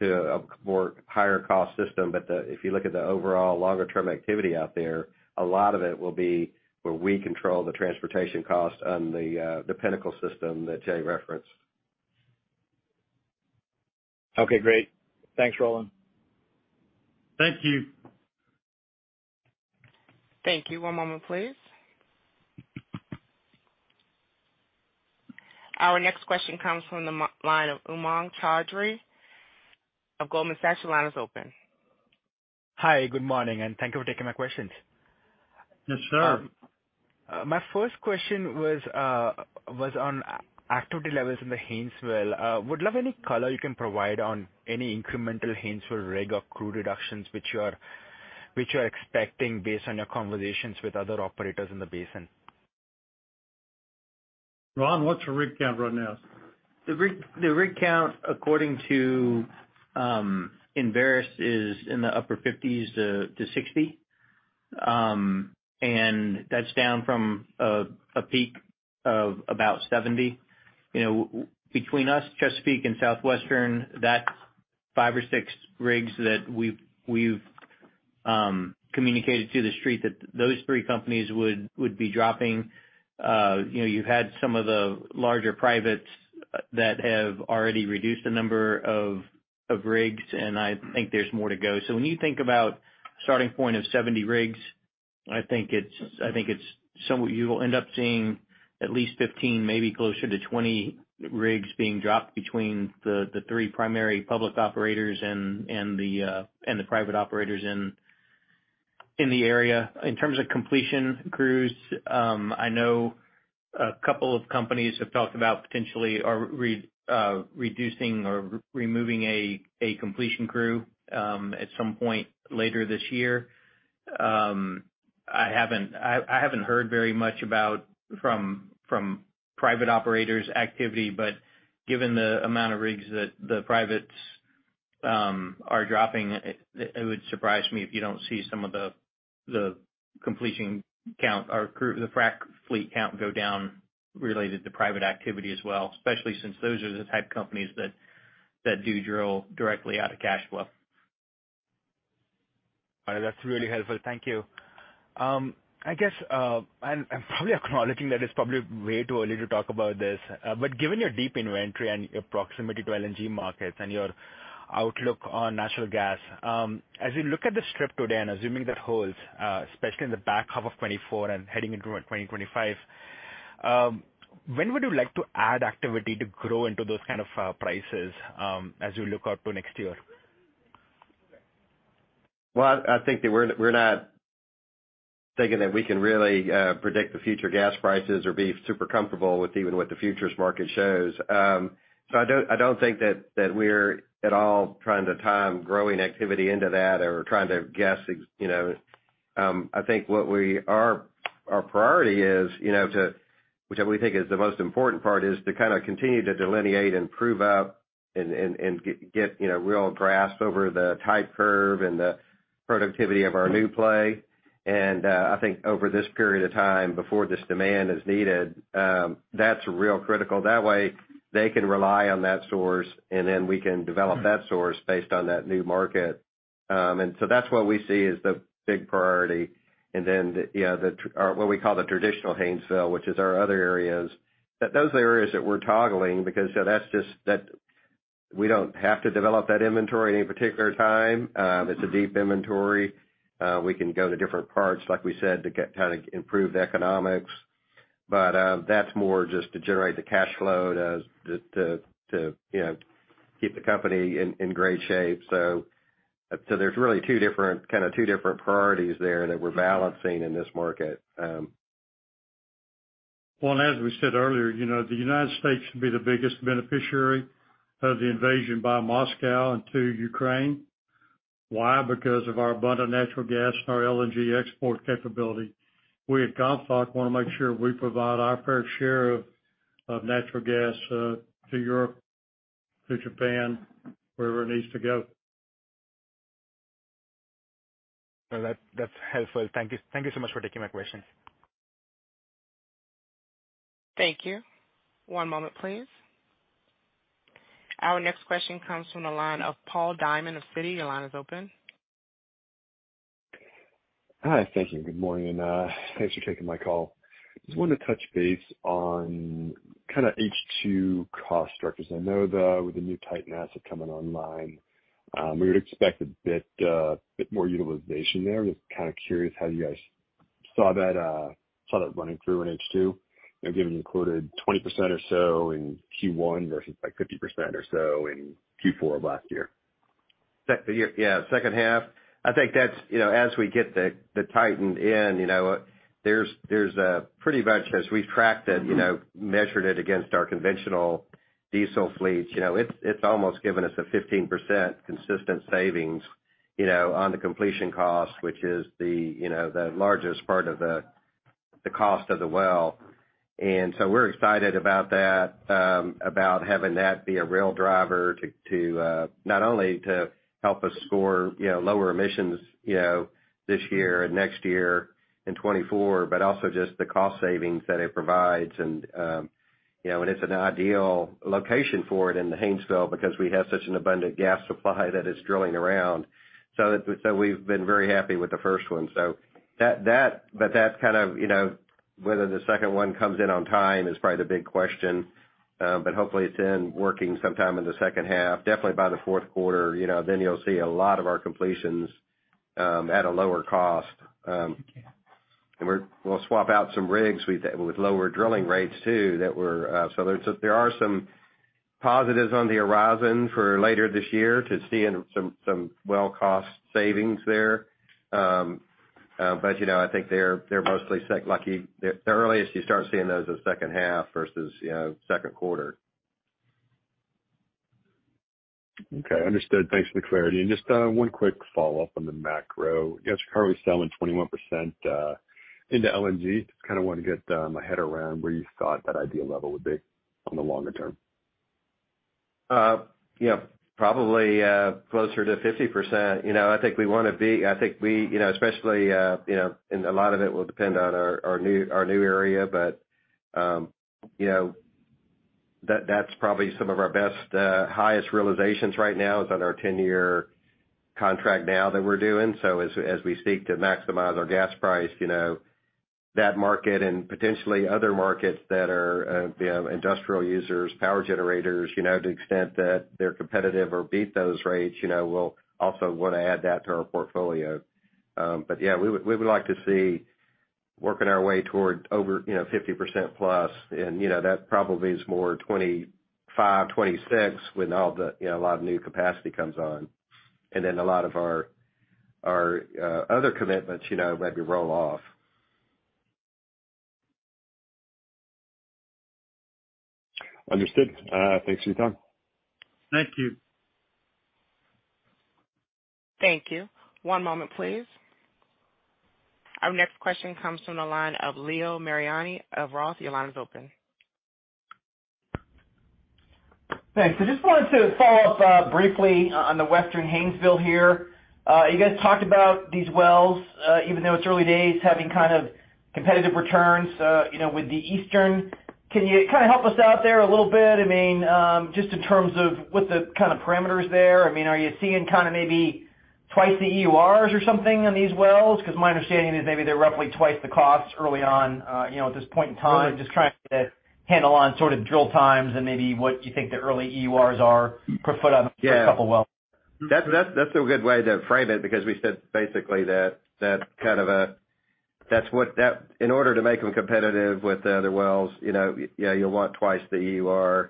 to a more higher cost system. If you look at the overall longer term activity out there, a lot of it will be where we control the transportation cost on the Pinnacle system that Jay referenced. Okay, great. Thanks, Roland. Thank you. Thank you. One moment, please. Our next question comes from the m-line of Umang Choudhary of Goldman Sachs. Your line is open. Hi, good morning, thank you for taking my questions. Yes, sir. My first question was on activity levels in the Haynesville. Would love any color you can provide on any incremental Haynesville rig or crew reductions which you're expecting based on your conversations with other operators in the basin? Ron, what's your rig count right now? The rig count, according to Enveris, is in the upper 50s to 60. That's down from a peak of about 70. You know, between us, Chesapeake and Southwestern, that's five or six rigs that we've communicated to the Street that those three companies would be dropping. You know, you had some of the larger privates that have already reduced the number of rigs, I think there's more to go. When you think about starting point of 70 rigs, you will end up seeing at least 15, maybe closer to 20 rigs being dropped between the three primary public operators and the private operators in the area. In terms of completion crews, I know a couple of companies have talked about potentially reducing or removing a completion crew at some point later this year. I haven't heard very much about from private operators activity, but given the amount of rigs that the privates are dropping, it would surprise me if you don't see some of the completion count or the frac fleet count go down related to private activity as well, especially since those are the type of companies that do drill directly out of cash flow. All right. That's really helpful. Thank you. I guess, probably acknowledging that it's probably way too early to talk about this, but given your deep inventory and your proximity to LNG markets and your outlook on natural gas, as we look at the strip today and assuming that holds, especially in the back half of 2024 and heading into 2025, when would you like to add activity to grow into those kind of prices, as you look out to next year? Well, I think that we're not thinking that we can really predict the future gas prices or be super comfortable with even what the futures market shows. I don't think that we're at all trying to time growing activity into that or trying to guess, you know. I think our priority is, you know, to, which I think is the most important part, is to kind of continue to delineate and prove out and get, you know, real grasp over the type curve and the productivity of our new play. I think over this period of time before this demand is needed, that's real critical. That way, they can rely on that source, and then we can develop that source based on that new market. That's what we see as the big priority. Then, you know, or what we call the traditional Haynesville, which is our other areas, that those are areas that we're toggling because that's just that we don't have to develop that inventory at any particular time. It's a deep inventory. We can go to different parts, like we said, to get kind of improved economics. That's more just to generate the cash flow to, you know, keep the company in great shape. There's really two different, kind of two different priorities there that we're balancing in this market. As we said earlier, you know, the United States should be the biggest beneficiary of the invasion by Moscow into Ukraine. Why? Because of our abundant natural gas and our LNG export capability. We at Gulfawk want to make sure we provide our fair share of natural gas to Europe, to Japan, wherever it needs to go. No, that's helpful. Thank you so much for taking my questions. Thank you. One moment, please. Our next question comes from the line of Paul Diamond of Citi. Your line is open. Hi. Thank you. Good morning, and thanks for taking my call. Just wanted to touch base on kinda H2 cost structures. I know with the new Titan asset coming online, we would expect a bit more utilization there. Just kinda curious how you guys- Saw that running through in H2 and given you quoted 20% or so in Q1 versus like 50% or so in Q4 of last year. Yeah, second half. I think that's, you know, as we get the TITAN in, you know, there's pretty much as we've tracked it, you know, measured it against our conventional diesel fleets, you know, it's almost given us a 15% consistent savings, you know, on the completion cost, which is the, you know, the largest part of the cost of the well. We're excited about that, about having that be a real driver to not only to help us score, you know, lower emissions, you know, this year and next year in 2024, but also just the cost savings that it provides. It's an ideal location for it in the Haynesville because we have such an abundant gas supply that is drilling around. We've been very happy with the first one. That's kind of, you know, whether the second one comes in on time is probably the big question. Hopefully it's in working sometime in the second half, definitely by the fourth quarter, you know. You'll see a lot of our completions at a lower cost. We'll swap out some rigs with lower drilling rates too that were. There's, there are some positives on the horizon for later this year to see in some well cost savings there. You know, I think they're mostly like you, the earliest you start seeing those is second half versus, you know, second quarter. Okay, understood. Thanks for the clarity. Just one quick follow-up on the macro. You guys are currently selling 21% into LNG. Just kind of want to get my head around where you thought that ideal level would be on the longer term. Yeah, probably closer to 50%. You know, I think we wanna be, I think we, you know, especially, you know, and a lot of it will depend on our new, our new area. You know, that's probably some of our best, highest realizations right now is on our 10-year contract now that we're doing. As we seek to maximize our gas price, you know, that market and potentially other markets that are, you know, industrial users, power generators, you know, to the extent that they're competitive or beat those rates, you know, we'll also wanna add that to our portfolio. Yeah, we would like to see working our way toward over, you know, 50% plus. You know, that probably is more 2025, 2026 when all the, you know, a lot of new capacity comes on. Then a lot of our, other commitments, you know, maybe roll off. Understood. Thanks for your time. Thank you. Thank you. One moment please. Our next question comes from the line of Leo Mariani of Roth. Your line is open. Thanks. I just wanted to follow up briefly on the Western Haynesville here. You guys talked about these wells, even though it's early days, having kinda competitive returns, you know, with the Eastern. Can you kinda help us out there a little bit? I mean, just in terms of what the kinda parameters there. I mean, are you seeing kinda maybe twice the euros or something on these wells? 'Cause my understanding is maybe they're roughly twice the costs early on, you know, at this point in time. Just trying to handle on sort of drill times and maybe what you think the early euros are per foot on a couple wells. That's a good way to frame it because we said basically that kind of, in order to make them competitive with the other wells, you know, yeah, you'll want twice the euros.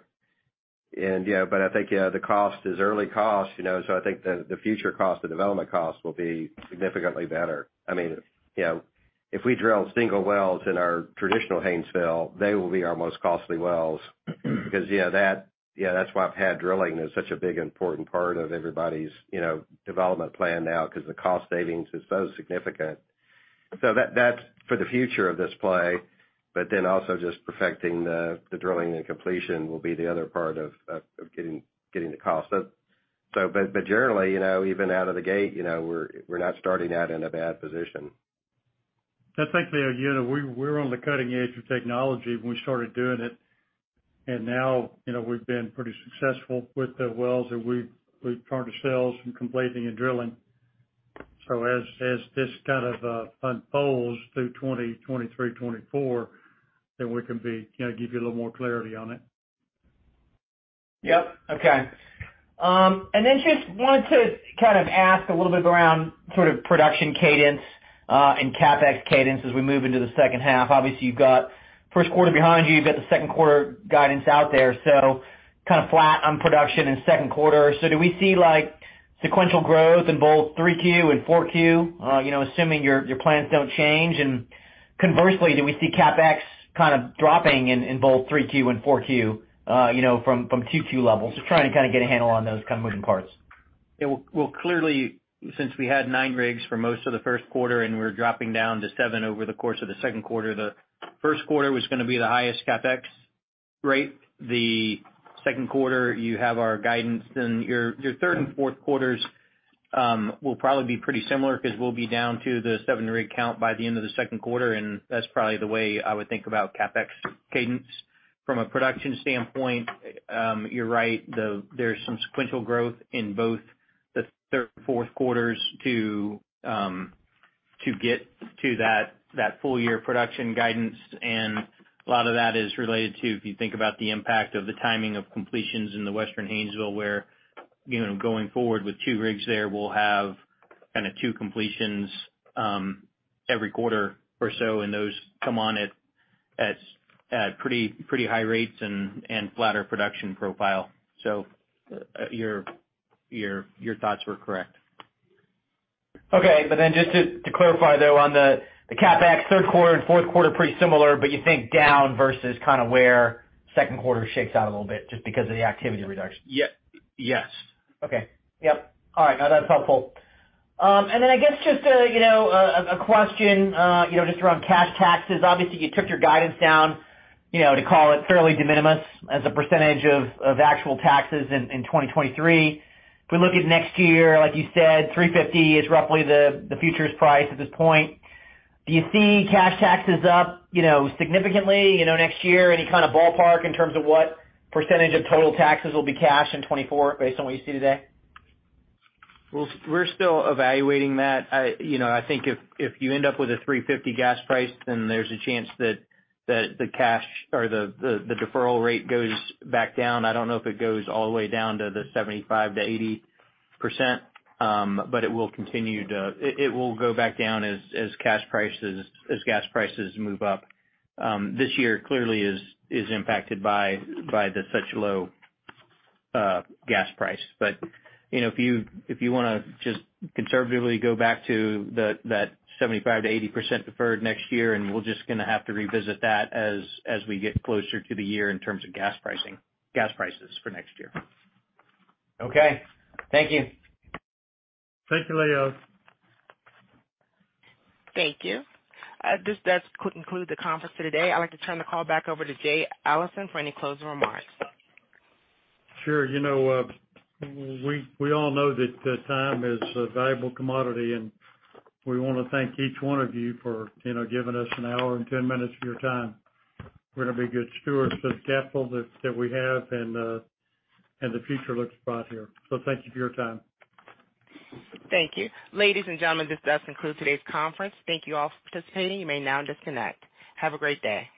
Yeah, but I think, you know, the cost is early cost, you know. I think the future cost, the development cost will be significantly better. I mean, you know, if we drill single wells in our traditional Haynesville, they will be our most costly wells. Yeah, that's why pad drilling is such a big, important part of everybody's, you know, development plan now because the cost savings is so significant. That, that's for the future of this play, but then also just perfecting the drilling and completion will be the other part of getting the cost. But generally, you know, even out of the gate, you know, we're not starting out in a bad position. I think, Leo, you know, we're on the cutting edge of technology when we started doing it. Now, you know, we've been pretty successful with the wells that we've turned to sales from completing and drilling. As this kind of unfolds through 2023, 2024, we can be, you know, give you a little more clarity on it. Yep. Okay. Just wanted to kind of ask a little bit around sort of production cadence and CapEx cadence as we move into the second half. Obviously, you've got first quarter behind you. You've got the second quarter guidance out there. Kinda flat on production in second quarter. Do we see like sequential growth in both three Q and four Q, you know, assuming your plans don't change? Conversely, do we see CapEx kind of dropping in both three Q and four Q, you know, from two Q levels? Just trying to kinda get a handle on those kind of moving parts. Yeah. Well, clearly, since we had nine rigs for most of the first quarter and we're dropping down to seven over the course of the second quarter, the first quarter was gonna be the highest CapEx rate. The second quarter, you have our guidance. Your third and fourth quarters will probably be pretty similar 'cause we'll be down to the seven rig count by the end of the second quarter, and that's probably the way I would think about CapEx cadence. From a production standpoint, you're right, there's some sequential growth in both the third and fourth quarters to get to that full year production guidance, and a lot of that is related to if you think about the impact of the timing of completions in the Western Haynesville. You know, going forward with two rigs there, we'll have kinda two completions every quarter or so, and those come on at pretty high rates and flatter production profile. Your thoughts were correct. Okay. Just to clarify though, on the CapEx third quarter and fourth quarter, pretty similar, but you think down versus kind of where second quarter shakes out a little bit just because of the activity reduction? Ye-yes. Okay. Yep. All right. No, that's helpful. I guess just a, you know, a question, you know, just around cash taxes. Obviously, you took your guidance down, you know, to call it fairly de minimis as a percentage of actual taxes in 2023. If we look at next year, like you said, $3.50 is roughly the futures price at this point. Do you see cash taxes up, you know, significantly, you know, next year? Any kinda ballpark in terms of what % of total taxes will be cash in 2024 based on what you see today? We're still evaluating that. You know, I think if you end up with a $3.50 gas price, then there's a chance that the cash or the deferral rate goes back down. I don't know if it goes all the way down to the 75%-80%, but it will continue to. It will go back down as cash prices. As gas prices move up. This year clearly is impacted by the such low gas price. You know, if you wanna just conservatively go back to that 75%-80% deferred next year, and we're just gonna have to revisit that as we get closer to the year in terms of gas pricing. Gas prices for next year. Okay. Thank you. Thank you, Leo. Thank you. This does conclude the conference for today. I'd like to turn the call back over to Jay Allison for any closing remarks. Sure. You know, we all know that time is a valuable commodity. We want to thank each one of you for, you know, giving us one hour and 10 minutes of your time. We're going to be good stewards of the capital that we have. The future looks bright here. Thank you for your time. Thank you. Ladies and gentlemen, this does conclude today's conference. Thank you all for participating. You may now disconnect. Have a great day.